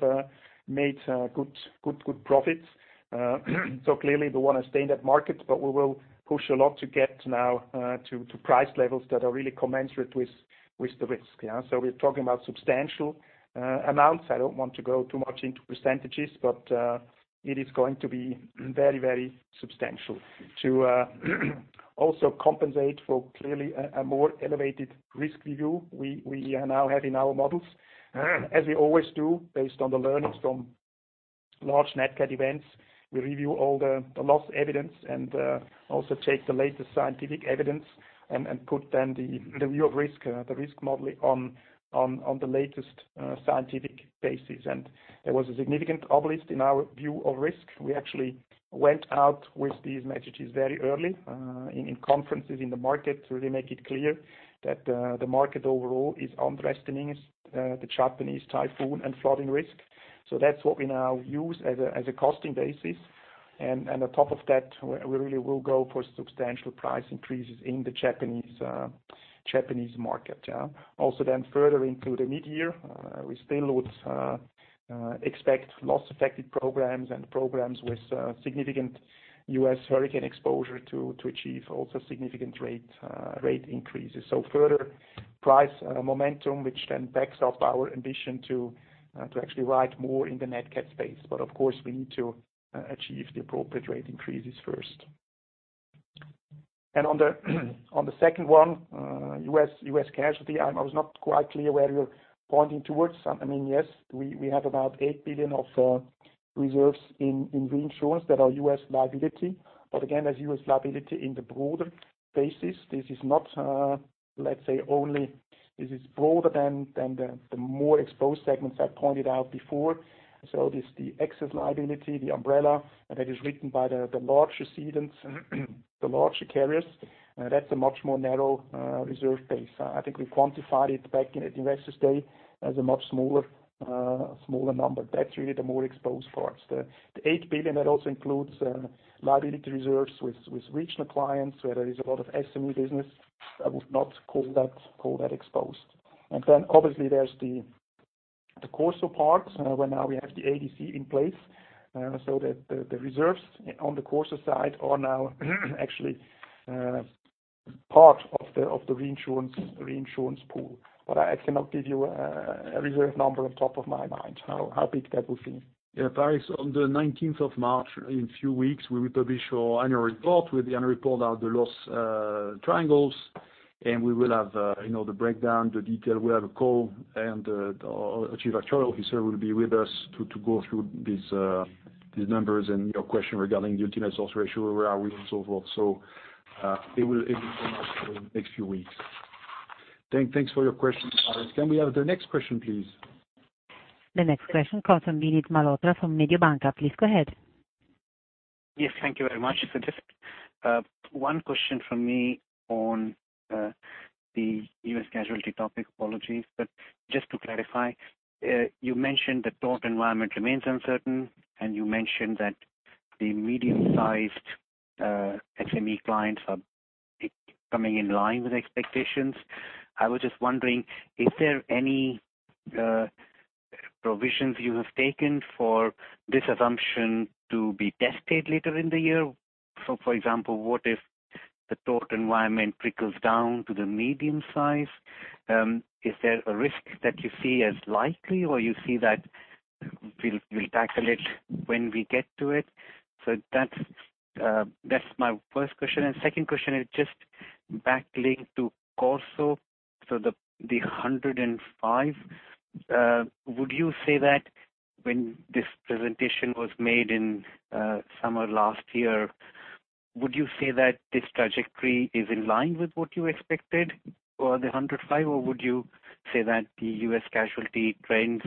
made good profits. Clearly we want to stay in that market, but we will push a lot to get now to price levels that are really commensurate with the risk. We're talking about substantial amounts. I don't want to go too much into percentages, but it is going to be very substantial to also compensate for clearly a more elevated risk review we now have in our models. As we always do, based on the learnings from large Nat Cat events, we review all the loss evidence and also take the latest scientific evidence and put then the view of risk, the risk modeling on the latest scientific basis. There was a significant uplift in our view of risk. We actually went out with these messages very early in conferences in the market to really make it clear that the market overall is underestimating the Japanese typhoon and flooding risk. That's what we now use as a costing basis. On top of that, we really will go for substantial price increases in the Japanese market. Also then further into the mid-year, we still would expect loss-affected programs and programs with significant U.S. hurricane exposure to achieve also significant rate increases. Further price momentum, which then backs up our ambition to actually write more in the Nat Cat space. Of course, we need to achieve the appropriate rate increases first. On the second one, U.S. casualty, I was not quite clear where you're pointing towards. Yes, we had about $8 billion of reserves in reinsurance that are U.S. liability. Again, that's U.S. liability in the broader basis. This is not, let's say, this is broader than the more exposed segments I pointed out before. This, the excess liability, the umbrella, that is written by the large cedents, the larger carriers, that's a much more narrow reserve base. I think we quantified it back in the Investor Day as a much smaller number. That's really the more exposed parts. The 8 billion, that also includes liability reserves with regional clients, where there is a lot of SME business. I would not call that exposed. Obviously there's the CorSo parts, where now we have the ADC in place, the reserves on the CorSo side are now actually part of the reinsurance pool. I cannot give you a reserve number on top of my mind how big that would be. Yeah, Paris, on the 19th of March, in a few weeks, we will publish our annual report. With the annual report are the loss triangles, and we will have the breakdown, the detail. We have a call, and our chief actuarial officer will be with us to go through these numbers and your question regarding the ultimate loss ratio, where are we and so forth. It will come out in the next few weeks. Thanks for your question, Carlos. Can we have the next question, please? The next question comes from Vinit Malhotra from Mediobanca. Please go ahead. Yes. Thank you very much. One question from me on the U.S. casualty topic. Apologies. Just to clarify, you mentioned the tort environment remains uncertain, and you mentioned that the medium-sized SME clients are coming in line with expectations. I was just wondering, is there any provisions you have taken for this assumption to be tested later in the year? For example, what if the tort environment trickles down to the medium size? Is there a risk that you see as likely, or you see that we'll tackle it when we get to it? That's my first question. Second question is just back linked to CorSo. The 105. When this presentation was made in summer last year, would you say that this trajectory is in line with what you expected for the 105, or would you say that the U.S. casualty trends,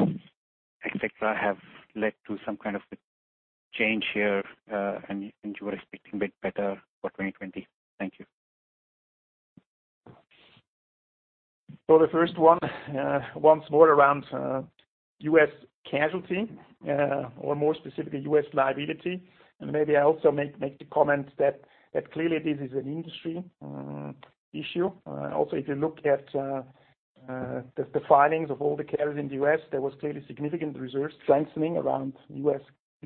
et cetera, have led to some kind of a change here, and you were expecting a bit better for 2020? Thank you. The first one, once more around U.S. casualty, or more specifically, U.S. liability. Maybe I also make the comment that clearly this is an industry issue. Also, if you look at the filings of all the carriers in the U.S., there was clearly significant reserves strengthening around U.S.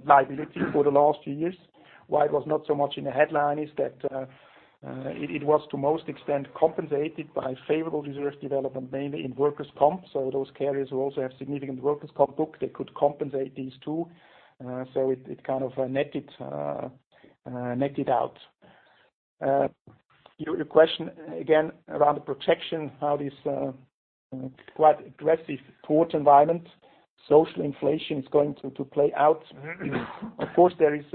liability for the last few years. Why it was not so much in the headline is that it was to most extent compensated by favorable reserve development, mainly in workers' compensation. Those carriers who also have significant workers' compensation book, they could compensate these two. It kind of netted out. Your question again around the protection, how this quite aggressive tort environment, social inflation is going to play out. Of course, there is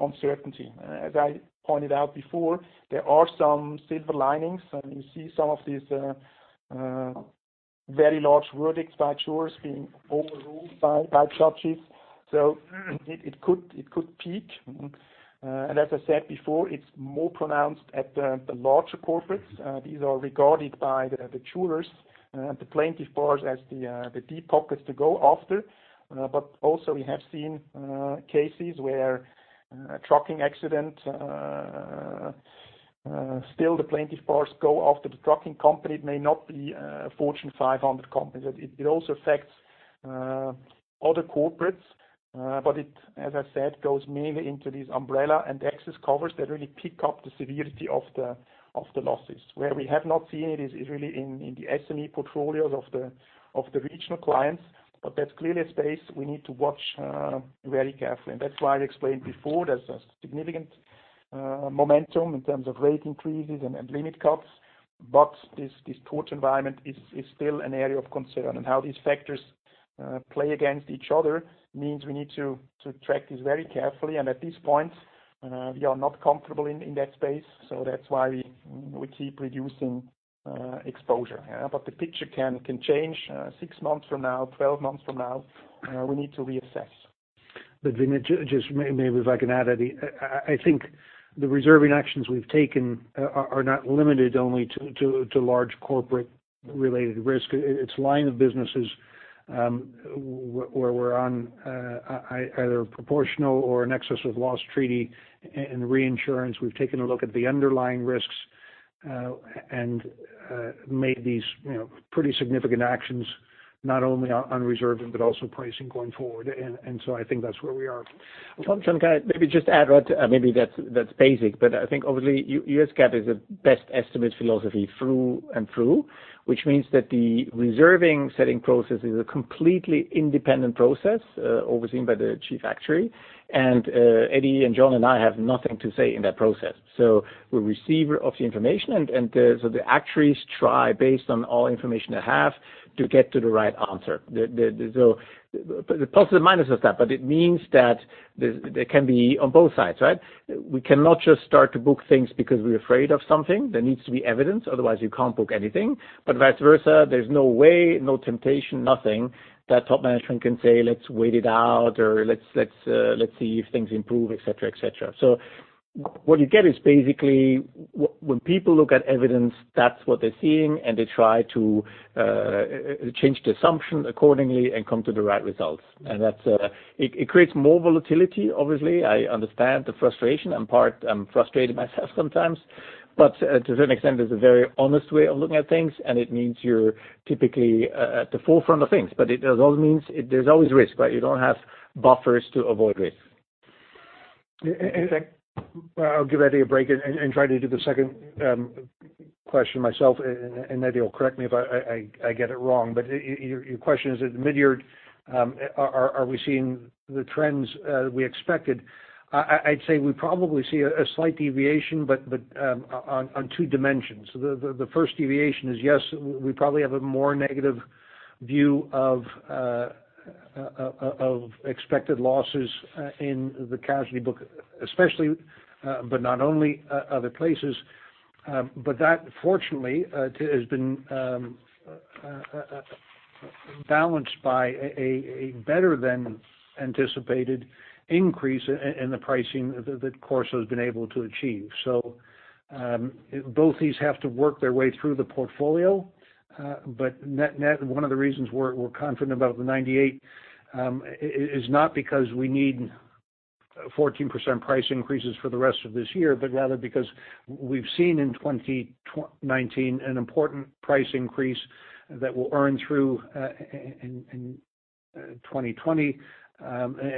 uncertainty. As I pointed out before, there are some silver linings, and you see some of these very large verdicts by jurors being overruled by judges. It could peak. As I said before, it's more pronounced at the larger corporates. These are regarded by the jurors, the plaintiff bars as the deep pockets to go after. Also we have seen cases where trucking accident, still the plaintiff bars go after the trucking company. It may not be a Fortune 500 company. It also affects other corporates. It, as I said, goes mainly into these umbrella and excess covers that really pick up the severity of the losses. Where we have not seen it is really in the SME portfolios of the regional clients. That's clearly a space we need to watch very carefully. That's why I explained before, there's a significant momentum in terms of rate increases and limit cuts. This tort environment is still an area of concern. How these factors play against each other means we need to track this very carefully. At this point, we are not comfortable in that space. That's why we keep reducing exposure. The picture can change six months from now, 12 months from now. We need to reassess. Vinit, just maybe if I can add, Edi. I think the reserving actions we've taken are not limited only to large corporate related risk. It's line of businesses, where we're on either proportional or in excess of loss treaty and reinsurance. We've taken a look at the underlying risks, and made these pretty significant actions, not only on reserving, but also pricing going forward. I think that's where we are. Maybe just add, maybe that's basic, but I think obviously, U.S. GAAP is a best estimate philosophy through and through. Which means that the reserving setting process is a completely independent process, overseen by the chief actuary. Edi and John and I have nothing to say in that process. We're receiver of the information, and so the actuaries try based on all information they have to get to the right answer. There's pluses and minuses to that, but it means that there can be on both sides, right? We cannot just start to book things because we're afraid of something. There needs to be evidence, otherwise you can't book anything. Vice versa, there's no way, no temptation, nothing that top management can say, "Let's wait it out," or, "Let's see if things improve," et cetera. What you get is basically, when people look at evidence, that's what they're seeing, and they try to change the assumption accordingly and come to the right results. It creates more volatility, obviously. I understand the frustration. In part, I'm frustrated myself sometimes. To a certain extent, it's a very honest way of looking at things, and it means you're typically at the forefront of things. It also means there's always risk, right? You don't have buffers to avoid risk. I'll give Edi a break and try to do the second question myself, and Edi will correct me if I get it wrong. Your question is, at mid-year, are we seeing the trends we expected? I'd say we probably see a slight deviation, but on two dimensions. The first deviation is, yes, we probably have a more negative view of expected losses in the casualty book, especially, but not only other places. That fortunately, has been balanced by a better than anticipated increase in the pricing that CorSo has been able to achieve. Both these have to work their way through the portfolio. Net, one of the reasons we're confident about the 98%, is not because we need 14% price increases for the rest of this year, but rather because we've seen in 2019 an important price increase that will earn through in 2020.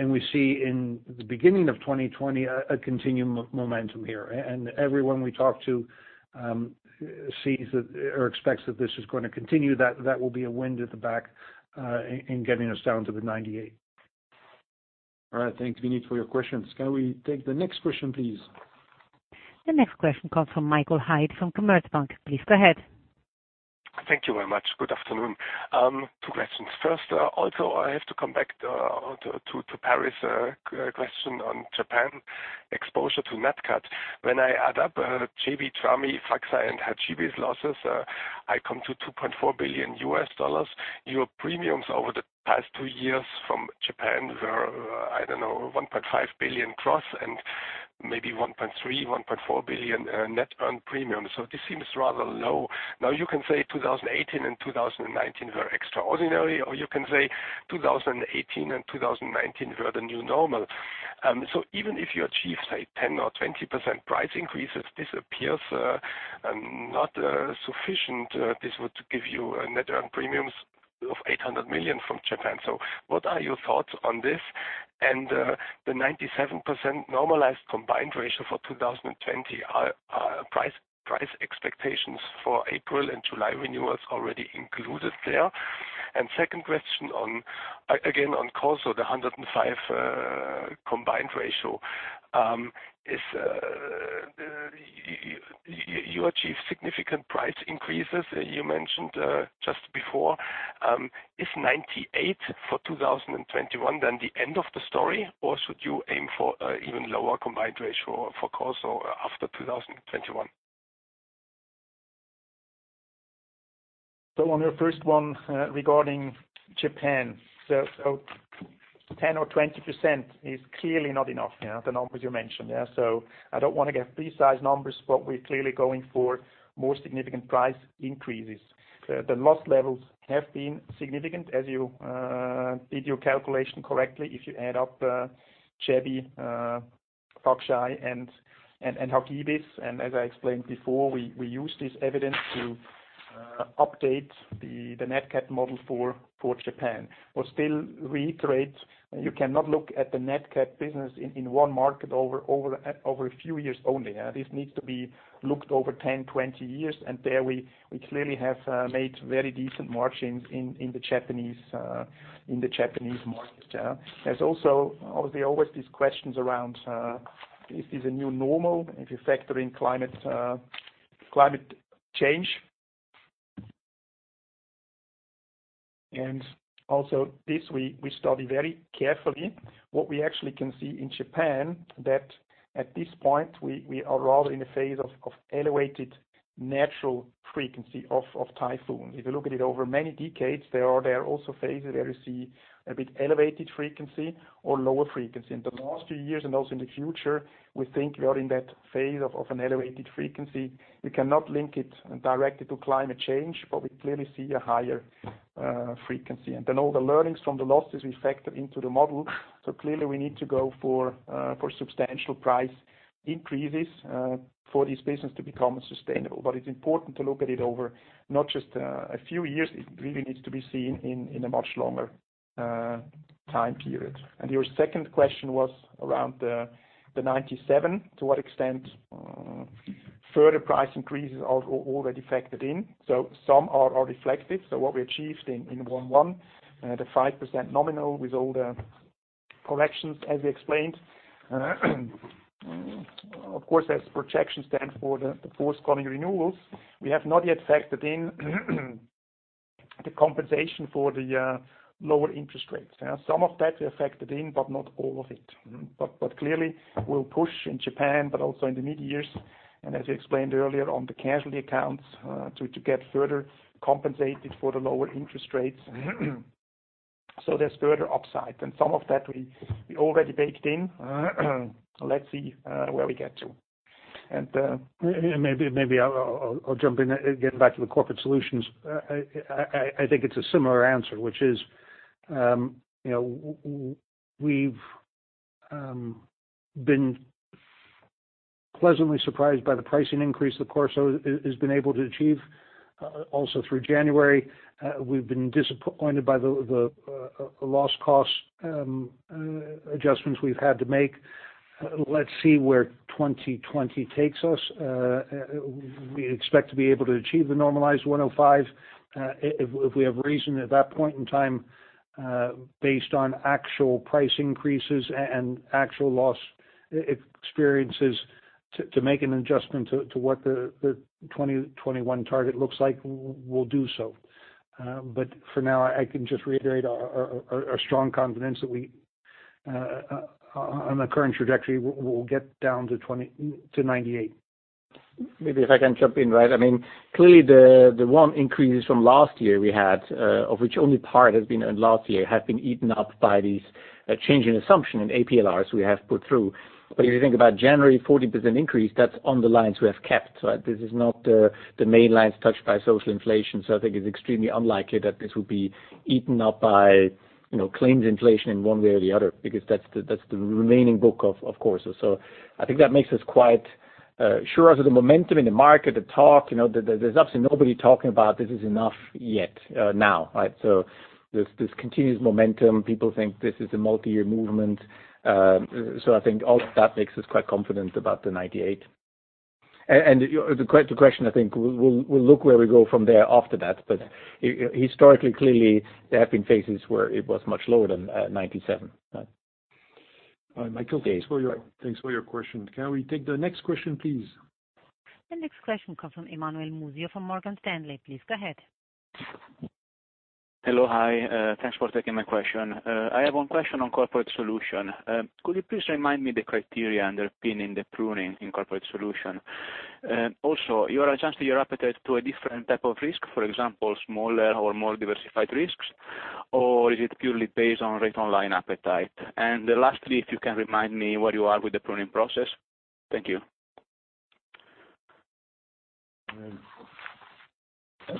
We see in the beginning of 2020, a continuing momentum here. Everyone we talk to sees that or expects that this is going to continue, that will be a wind at the back, in getting us down to the 98. All right. Thanks, Vinit, for your questions. Can we take the next question, please? The next question comes from Michael Huettner, from Commerzbank. Please go ahead. Thank you very much. Good afternoon. Two questions. First, also I have to come back to Paris' question on Japan exposure to Nat Cat. When I add up Jebi, Faxai, and Hagibis losses, I come to CHF 2.4 billion. Your premiums over the past two years from Japan were, I don't know, 1.5 billion gross and maybe 1.3 billion-1.4 billion net earned premium. This seems rather low. Now you can say 2018 and 2019 were extraordinary, or you can say 2018 and 2019 were the new normal. Even if you achieve, say 10% or 20% price increases, this appears not sufficient. This would give you net earned premiums of 800 million from Japan. Second question, again on CorSo, the 105% combined ratio. You achieved significant price increases, you mentioned, just before. Is 98 for 2021, then the end of the story, or should you aim for even lower combined ratio for CorSo after 2021? On your first one, regarding Japan, so 10% or 20% is clearly not enough. The numbers you mentioned. I don't want to give precise numbers, but we're clearly going for more significant price increases. The loss levels have been significant as you did your calculation correctly if you add up Jebi, Faxai, and Hagibis. As I explained before, we use this evidence to update the Nat Cat model for Japan. Still reiterate, you cannot look at the Nat Cat business in one market over a few years only. This needs to be looked over 10, 20 years. There we clearly have made very decent margins in the Japanese market. There's also obviously always these questions around, is this a new normal if you factor in climate change? Also this, we study very carefully what we actually can see in Japan that at this point we are rather in a phase of elevated natural frequency of typhoon. If you look at it over many decades, there are also phases where you see a bit elevated frequency or lower frequency. In the last few years and also in the future, we think we are in that phase of an elevated frequency. We cannot link it directly to climate change, but we clearly see a higher frequency. All the learnings from the losses we factor into the model. Clearly we need to go for substantial price increases for this business to become sustainable. It's important to look at it over not just a few years. It really needs to be seen in a much longer time period. Your second question was around the 97, to what extent further price increases are already factored in. Some are already factored. What we achieved in one one, the 5% nominal with all the corrections as we explained. Of course, as projections stand for the forthcoming renewals, we have not yet factored in the compensation for the lower interest rates. Some of that we have factored in, but not all of it. Clearly we'll push in Japan, but also in the mid-years, and as we explained earlier on the casualty accounts, to get further compensated for the lower interest rates. There's further upside and some of that we already baked in. Let's see where we get to. Maybe I'll jump in, getting back to the corporate solutions. I think it's a similar answer, which is, we've been pleasantly surprised by the pricing increase that CorSo has been able to achieve. Through January, we've been disappointed by the loss cost adjustments we've had to make. Let's see where 2020 takes us. We expect to be able to achieve the normalized 105. If we have reason at that point in time, based on actual price increases and actual loss experiences to make an adjustment to what the 2021 target looks like, we'll do so. For now, I can just reiterate our strong confidence that we, on the current trajectory, we'll get down to 98. Maybe if I can jump in. Clearly, the one increase from last year we had, of which only part has been in last year, have been eaten up by these change in assumption and APL we have put through. If you think about January 14% increase, that's on the lines we have kept. This is not the main lines touched by social inflation. I think it's extremely unlikely that this will be eaten up by claims inflation in one way or the other, because that's the remaining book of CorSo. I think that makes us quite sure. As of the momentum in the market, the talk, there's absolutely nobody talking about this is enough yet now. There's this continuous momentum. People think this is a multi-year movement. I think all of that makes us quite confident about the 98. To quite the question, I think we'll look where we go from there after that. Historically, clearly, there have been phases where it was much lower than 97. All right, Michael, thanks for your question. Can we take the next question, please? The next question comes from Emmanuel Muzio from Morgan Stanley. Please go ahead. Hello. Hi, thanks for taking my question. I have one question on Corporate Solutions. Could you please remind me the criteria underpinning the pruning in Corporate Solutions? You referenced your appetite to a different type of risk, for example, smaller or more diversified risks, or is it purely based on rate on line appetite? Lastly, if you can remind me where you are with the pruning process. Thank you.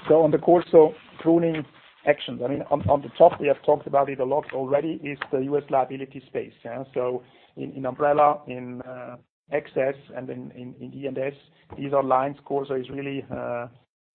On the CorSo pruning actions. On the top, we have talked about it a lot already, is the U.S. liability space. In umbrella, in excess, and in E&S, these are lines CorSo is really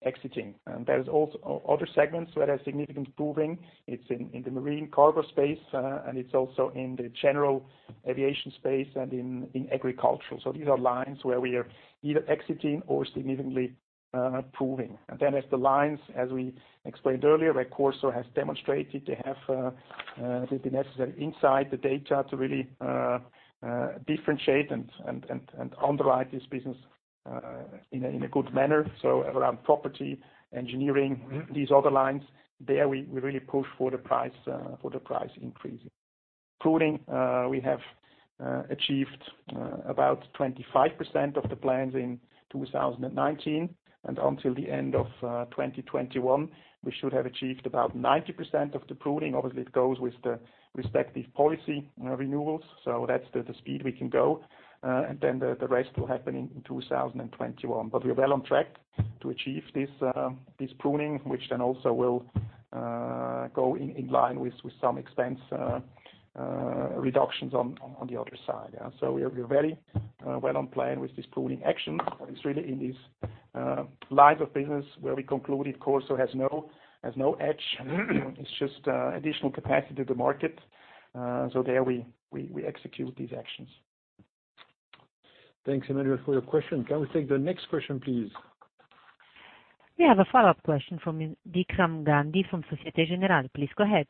exiting. There is also other segments where there's significant improving. It's in the marine cargo space, and it's also in the general aviation space and in agricultural. These are lines where we are either exiting or significantly improving. As the lines, as we explained earlier, where CorSo has demonstrated they have the necessary insight, the data to really differentiate and underwrite this business in a good manner. Around property, engineering, these other lines, there we really push for the price increasing. Pruning, we have achieved about 25% of the plans in 2019, and until the end of 2021, we should have achieved about 90% of the pruning. Obviously, it goes with the respective policy renewals. That's the speed we can go. The rest will happen in 2021. We are well on track to achieve this pruning, which then also will go in line with some expense reductions on the other side. We are very well on plan with this pruning action. It's really in these lines of business where we concluded CorSo has no edge. It's just additional capacity to market. There we execute these actions. Thanks, Emmanuel, for your question. Can we take the next question, please? We have a follow-up question from Vikram Gandhi from Societe Generale. Please go ahead.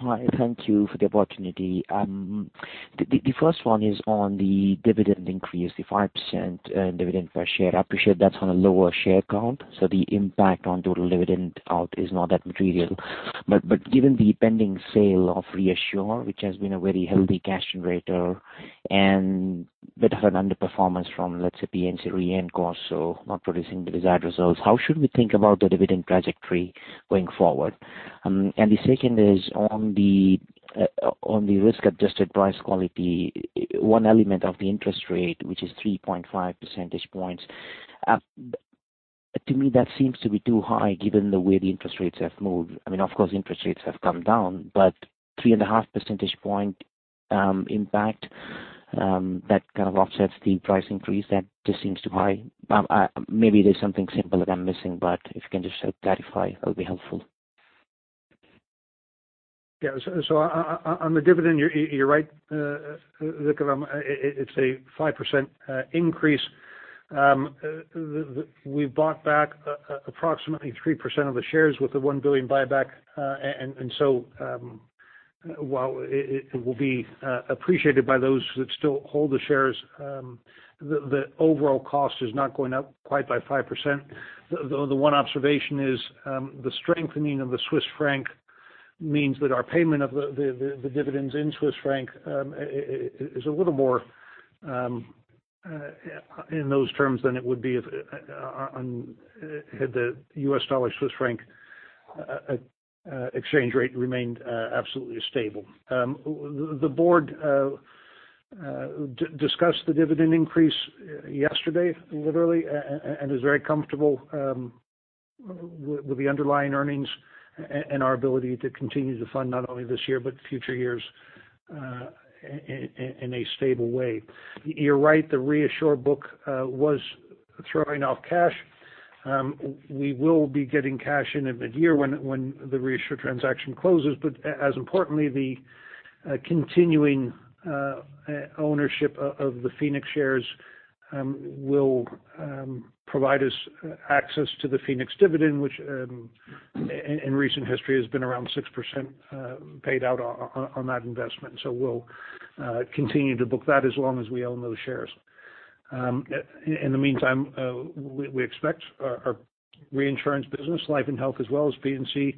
Hi. Thank you for the opportunity. The first one is on the dividend increase, the 5% dividend per share. I appreciate that's on a lower share count, the impact on total dividend out is not that material. Given the pending sale of ReAssure, which has been a very healthy cash generator, and bit of an underperformance from, let's say, P&C Re and CorSo not producing the desired results, how should we think about the dividend trajectory going forward? The second is on the risk-adjusted price quality, one element of the interest rate, which is 3.5 percentage points. To me, that seems to be too high given the way the interest rates have moved. Of course, interest rates have come down, 3.5 percentage point impact, that kind of offsets the price increase. That just seems too high. Maybe there's something simple that I'm missing, but if you can just clarify, that would be helpful. On the dividend, you're right, Vikram. It's a 5% increase. We bought back approximately 3% of the shares with the 1 billion buyback. While it will be appreciated by those that still hold the shares, the overall cost is not going up quite by 5%. The one observation is the strengthening of the Swiss franc means that our payment of the dividends in Swiss franc is a little more in those terms than it would be had the U.S. dollar Swiss franc exchange rate remained absolutely stable. The board discussed the dividend increase yesterday, literally, and is very comfortable with the underlying earnings and our ability to continue to fund not only this year but future years in a stable way. You're right, the ReAssure book was throwing off cash. We will be getting cash in mid-year when the ReAssure transaction closes. As importantly, the continuing ownership of the Phoenix shares will provide us access to the Phoenix dividend, which in recent history has been around 6% paid out on that investment. We'll continue to book that as long as we own those shares. In the meantime, we expect our reinsurance business, Life & Health Re, as well as P&C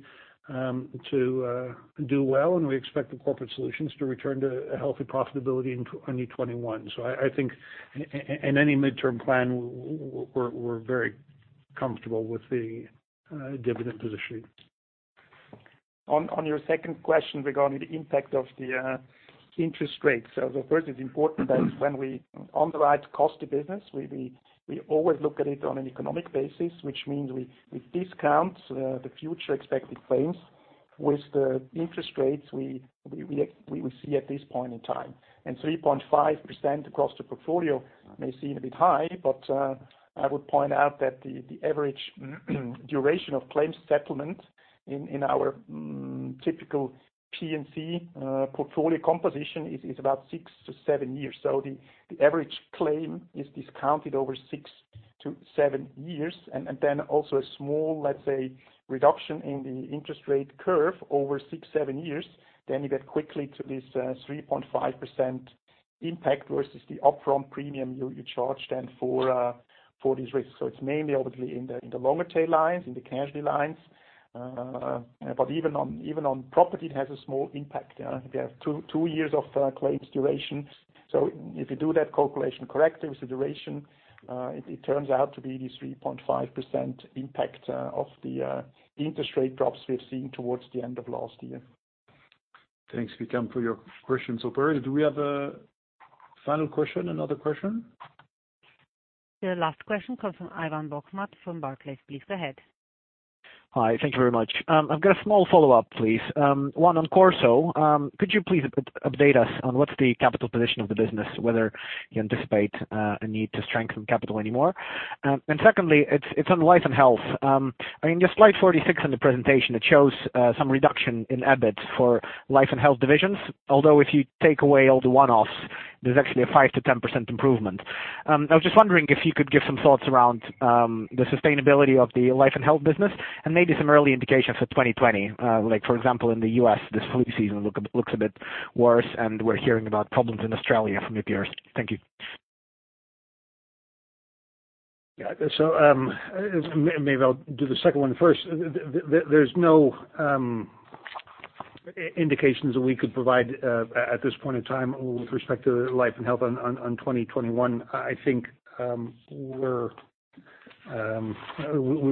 Re, to do well, and we expect the Corporate Solutions to return to a healthy profitability in 2021. I think in any midterm plan, we're very comfortable with the dividend position. On your second question regarding the impact of the interest rates. The first is important that when we underwrite cost of business, we always look at it on an economic basis, which means we discount the future expected claims with the interest rates we see at this point in time. 3.5% across the portfolio may seem a bit high, but I would point out that the average duration of claims settlement in our typical P&C portfolio composition is about six to seven years. The average claim is discounted over six to seven years and then also a small, let's say, reduction in the interest rate curve over six, seven years, then you get quickly to this 3.5% impact versus the upfront premium you charge then for these risks. It's mainly obviously in the longer tail lines, in the casualty lines. Even on property, it has a small impact. They have two years of claims duration. If you do that calculation correct with the duration, it turns out to be the 3.5% impact of the interest rate drops we've seen towards the end of last year. Thanks, Vikram, for your questions. Operator, do we have a final question, another question? The last question comes from Ivan Bokhmat from Barclays. Please go ahead. Hi. Thank you very much. I've got a small follow-up, please. One on CorSo. Could you please update us on what's the capital position of the business, whether you anticipate a need to strengthen capital anymore? Secondly, it's on Life & Health Re. In your slide 46 on the presentation, it shows some reduction in EBIT for Life & Health Re divisions. If you take away all the one-offs, there's actually a 5%-10% improvement. I was just wondering if you could give some thoughts around the sustainability of the Life & Health Re business and maybe some early indications for 2020. For example, in the U.S., this flu season looks a bit worse, and we're hearing about problems in Australia from your peers. Thank you. Yeah. Maybe I'll do the second one first. There's no indications that we could provide at this point in time with respect to Life and Health on 2021. I think we've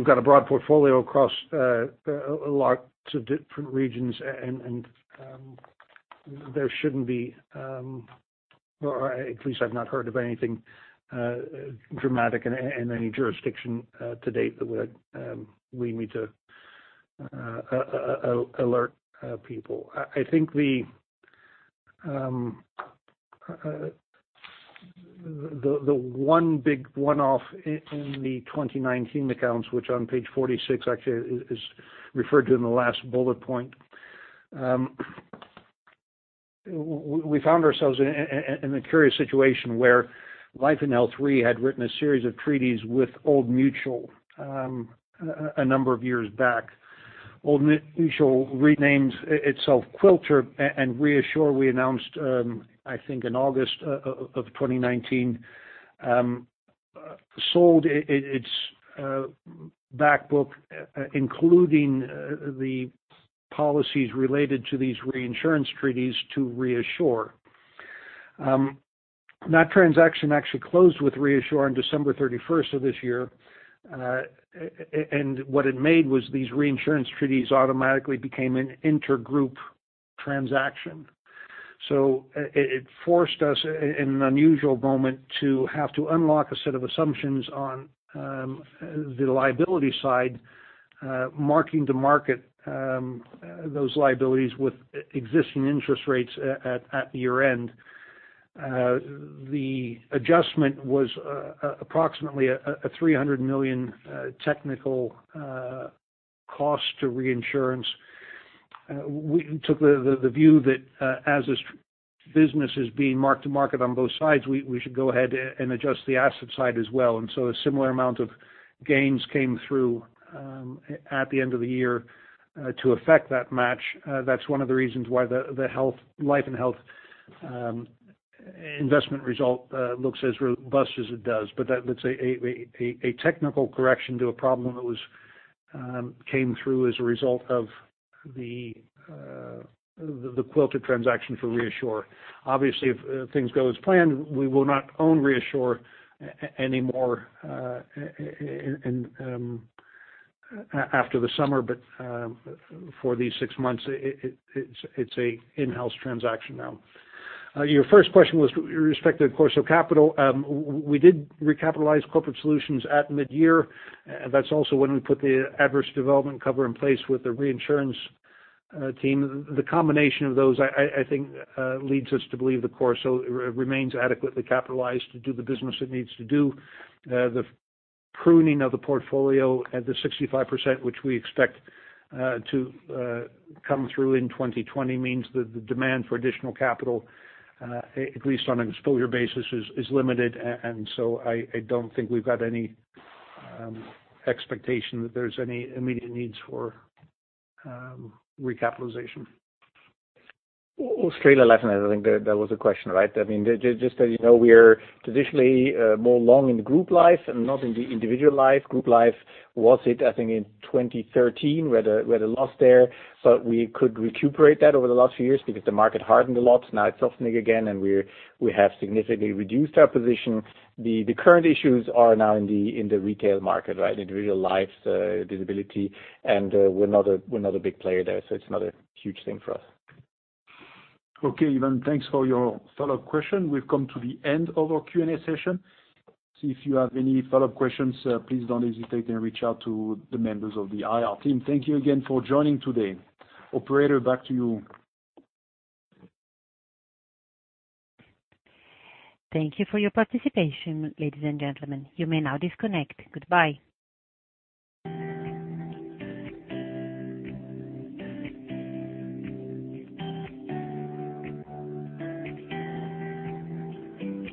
got a broad portfolio across lots of different regions, and there shouldn't be, or at least I've not heard of anything dramatic in any jurisdiction to date that we need to alert people. I think the one big one-off in the 2019 accounts, which on page 46 actually is referred to in the last bullet point. We found ourselves in a curious situation where Life and Health Re had written a series of treaties with Old Mutual a number of years back. Old Mutual renamed itself Quilter and ReAssure. We announced, I think in August of 2019, sold its back book, including the policies related to these reinsurance treaties, to ReAssure. That transaction actually closed with ReAssure on December 31st of this year. What it made was these reinsurance treaties automatically became an intergroup transaction. It forced us in an unusual moment to have to unlock a set of assumptions on the liability side, marking to market those liabilities with existing interest rates at the year-end. The adjustment was approximately a $300 million technical cost to reinsurance. We took the view that as this business is being marked to market on both sides, we should go ahead and adjust the asset side as well. A similar amount of gains came through at the end of the year to affect that match. That's one of the reasons why the Life & Health investment result looks as robust as it does. That's a technical correction to a problem that came through as a result of the Quilter transaction for ReAssure. Obviously, if things go as planned, we will not own ReAssure anymore after the summer. For these six months, it's an in-house transaction now. Your first question was with respect to CorSo Capital. We did recapitalize Corporate Solutions at mid-year. That's also when we put the adverse development cover in place with the reinsurance team. The combination of those, I think, leads us to believe that CorSo remains adequately capitalized to do the business it needs to do. The pruning of the portfolio at the 65%, which we expect to come through in 2020, means that the demand for additional capital at least on an exposure basis, is limited. I don't think we've got any expectation that there's any immediate needs for recapitalization. Australia Life and Health, I think that was the question, right? Just that you know, we are traditionally more long in the group life and not in the individual life. Group life was hit, I think, in 2013. We had a loss there. We could recuperate that over the last few years because the market hardened a lot. Now it's softening again, and we have significantly reduced our position. The current issues are now in the retail market, right? Individual lives, disability, and we're not a big player there, so it's not a huge thing for us. Okay, Ivan, thanks for your follow-up question. We've come to the end of our Q&A session. If you have any follow-up questions, please don't hesitate and reach out to the members of the IR team. Thank you again for joining today. Operator, back to you. Thank you for your participation, ladies and gentlemen. You may now disconnect. Goodbye.